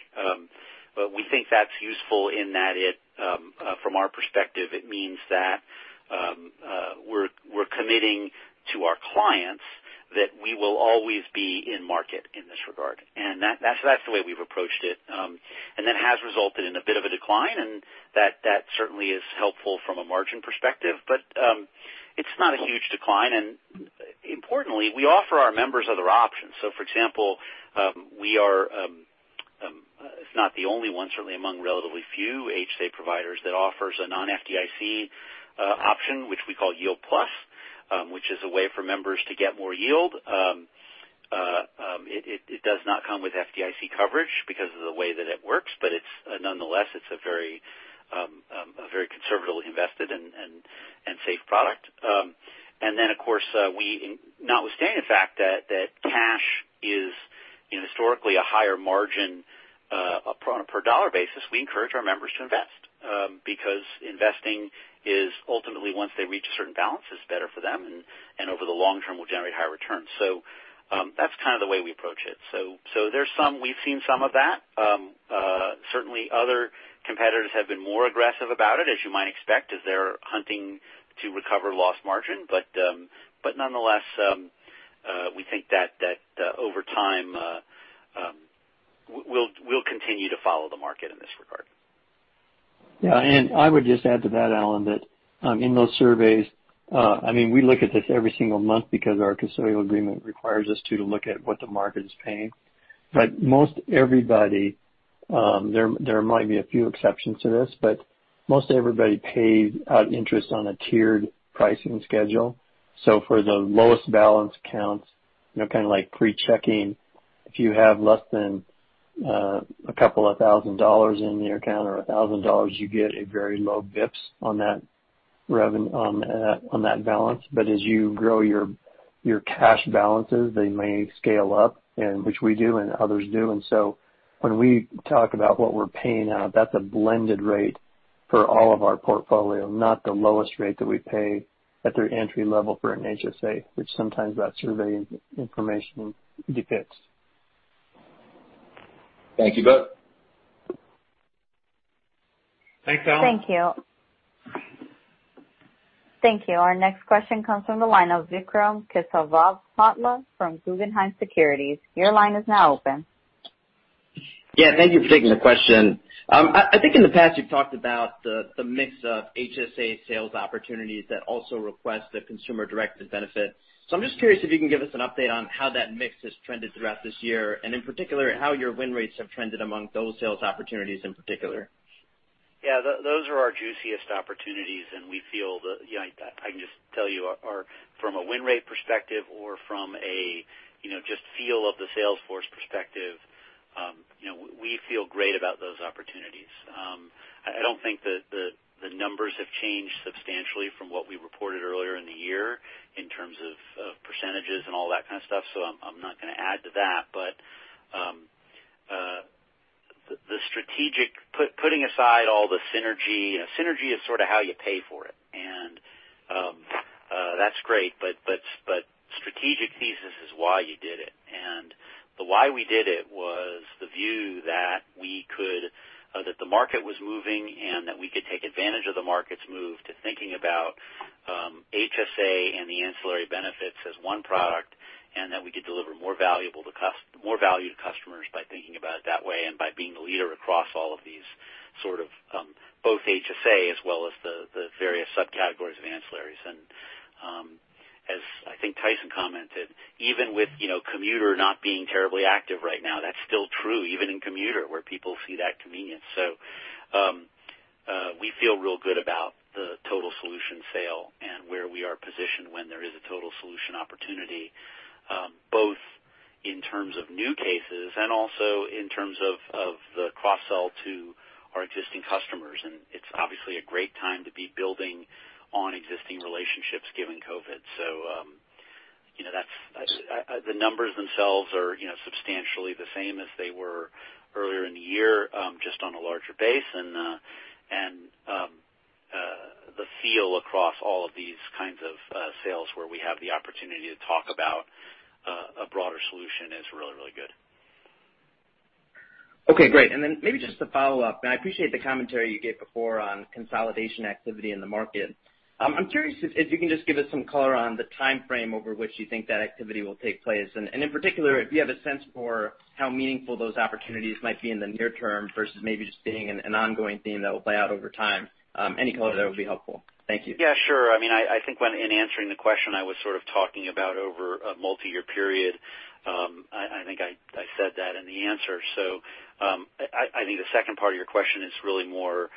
We think that's useful in that it, from our perspective, it means that we're committing to our clients that we will always be in market in this regard. That's the way we've approached it. That has resulted in a bit of a decline, and that certainly is helpful from a margin perspective. It's not a huge decline, and importantly, we offer our members other options. For example, we are, if not the only one, certainly among relatively few HSA providers that offers a non-FDIC option, which we call Yield Plus, which is a way for members to get more yield. It does not come with FDIC coverage because of the way that it works, but it's, nonetheless, it's a very conservatively invested and safe product. Then, of course, notwithstanding the fact that cash is historically a higher margin, per dollar basis, we encourage our members to invest. Because investing is ultimately, once they reach a certain balance, it's better for them and over the long term will generate higher returns. That's kind of the way we approach it. There's some, we've seen some of that. Certainly other competitors have been more aggressive about it, as you might expect, as they're hunting to recover lost margin. Nonetheless, we think that over time, we'll continue to follow the market in this regard. Yeah. I would just add to that, Allen, that in those surveys, we look at this every single month because our custodial agreement requires us to look at what the market is paying. Most everybody, there might be a few exceptions to this, but most everybody pays out interest on a tiered pricing schedule. For the lowest balance accounts, kind of like free checking, if you have less than a couple of thousand dollars in your account or $1,000, you get a very low BPS on that balance. As you grow your cash balances, they may scale up and which we do and others do. When we talk about what we're paying out, that's a blended rate for all of our portfolio, not the lowest rate that we pay at their entry level for an HSA, which sometimes that survey information depicts. Thank you both. Thanks, Allen. Thank you. Thank you. Our next question comes from the line of Vikram Kesavabhotla from Guggenheim Securities. Your line is now open. Yeah. Thank you for taking the question. I think in the past you've talked about the mix of HSA sales opportunities that also request the consumer-directed benefit. I'm just curious if you can give us an update on how that mix has trended throughout this year, and in particular, how your win rates have trended among those sales opportunities in particular. Yeah, those are our juiciest opportunities, we feel that, I can just tell you from a win rate perspective or from a just feel of the sales force perspective, we feel great about those opportunities. I don't think that the numbers have changed substantially from what we reported earlier in the year in terms of percentages and all that kind of stuff. I'm not going to add to that. The strategic, putting aside all the synergy. Synergy is sort of how you pay for it, and that's great, but strategic thesis is why you did it. The why we did it was the view that the market was moving and that we could take advantage of the market's move to thinking about HSA and the ancillary benefits as one product, and that we could deliver more value to customers by thinking about it that way and by being the leader across all of these sort of both HSA as well as the various subcategories of ancillaries. As I think Tyson commented, even with Commuter not being terribly active right now, that's still true even in Commuter where people see that convenience. We feel real good about the total solution sale and where we are positioned when there is a total solution opportunity, both in terms of new cases and also in terms of the cross-sell to our existing customers. It's obviously a great time to be building on existing relationships given COVID. The numbers themselves are substantially the same as they were earlier in the year, just on a larger base and Feel across all of these kinds of sales where we have the opportunity to talk about a broader solution is really, really good. Okay, great. Maybe just to follow up, I appreciate the commentary you gave before on consolidation activity in the market. I'm curious if you can just give us some color on the timeframe over which you think that activity will take place, and in particular, if you have a sense for how meaningful those opportunities might be in the near term versus maybe just being an ongoing theme that will play out over time. Any color there would be helpful. Thank you. Yeah, sure. I think when, in answering the question, I was sort of talking about over a multi-year period. I think I said that in the answer. I think the second part of your question is really more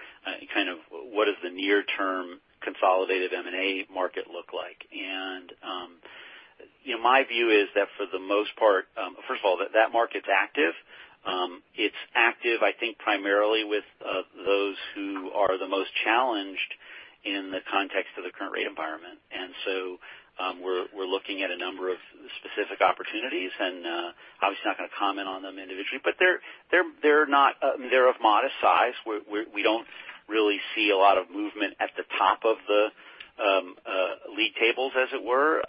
kind of what does the near term consolidated M&A market look like? My view is that for the most part, first of all, that market's active. It's active, I think, primarily with those who are the most challenged in the context of the current rate environment. We're looking at a number of specific opportunities and obviously not going to comment on them individually, but they're of modest size. We don't really see a lot of movement at the top of the league tables, as it were.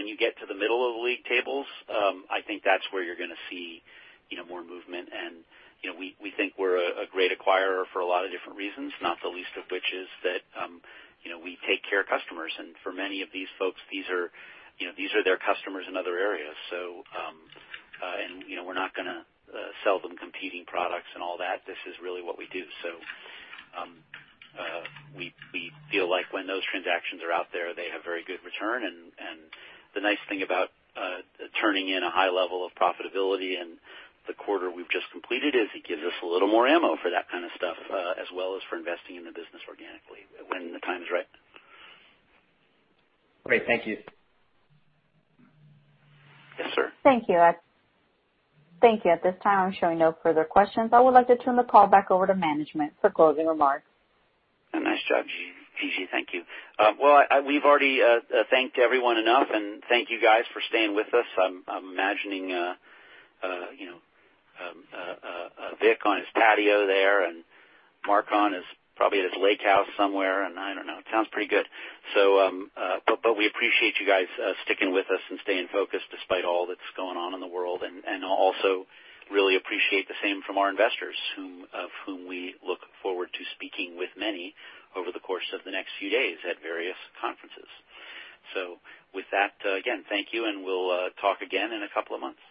When you get to the middle of the league tables, I think that's where you're going to see more movement. We think we're a great acquirer for a lot of different reasons, not the least of which is that we take care of customers. For many of these folks, these are their customers in other areas. We're not going to sell them competing products and all that. This is really what we do. We feel like when those transactions are out there, they have very good return. The nice thing about turning in a high level of profitability in the quarter we've just completed is it gives us a little more ammo for that kind of stuff as well as for investing in the business organically when the time is right. Great. Thank you. Yes, sir. Thank you. At this time, I'm showing no further questions. I would like to turn the call back over to management for closing remarks. Nice job, Gigi. Thank you. Well, we've already thanked everyone enough, and thank you guys for staying with us. I'm imagining Vic on his patio there and Mark on his, probably at his lake house somewhere, and I don't know, it sounds pretty good. We appreciate you guys sticking with us and staying focused despite all that's going on in the world. Also really appreciate the same from our investors whom of whom we look forward to speaking with many over the course of the next few days at various conferences. With that, again, thank you, and we'll talk again in a couple of months.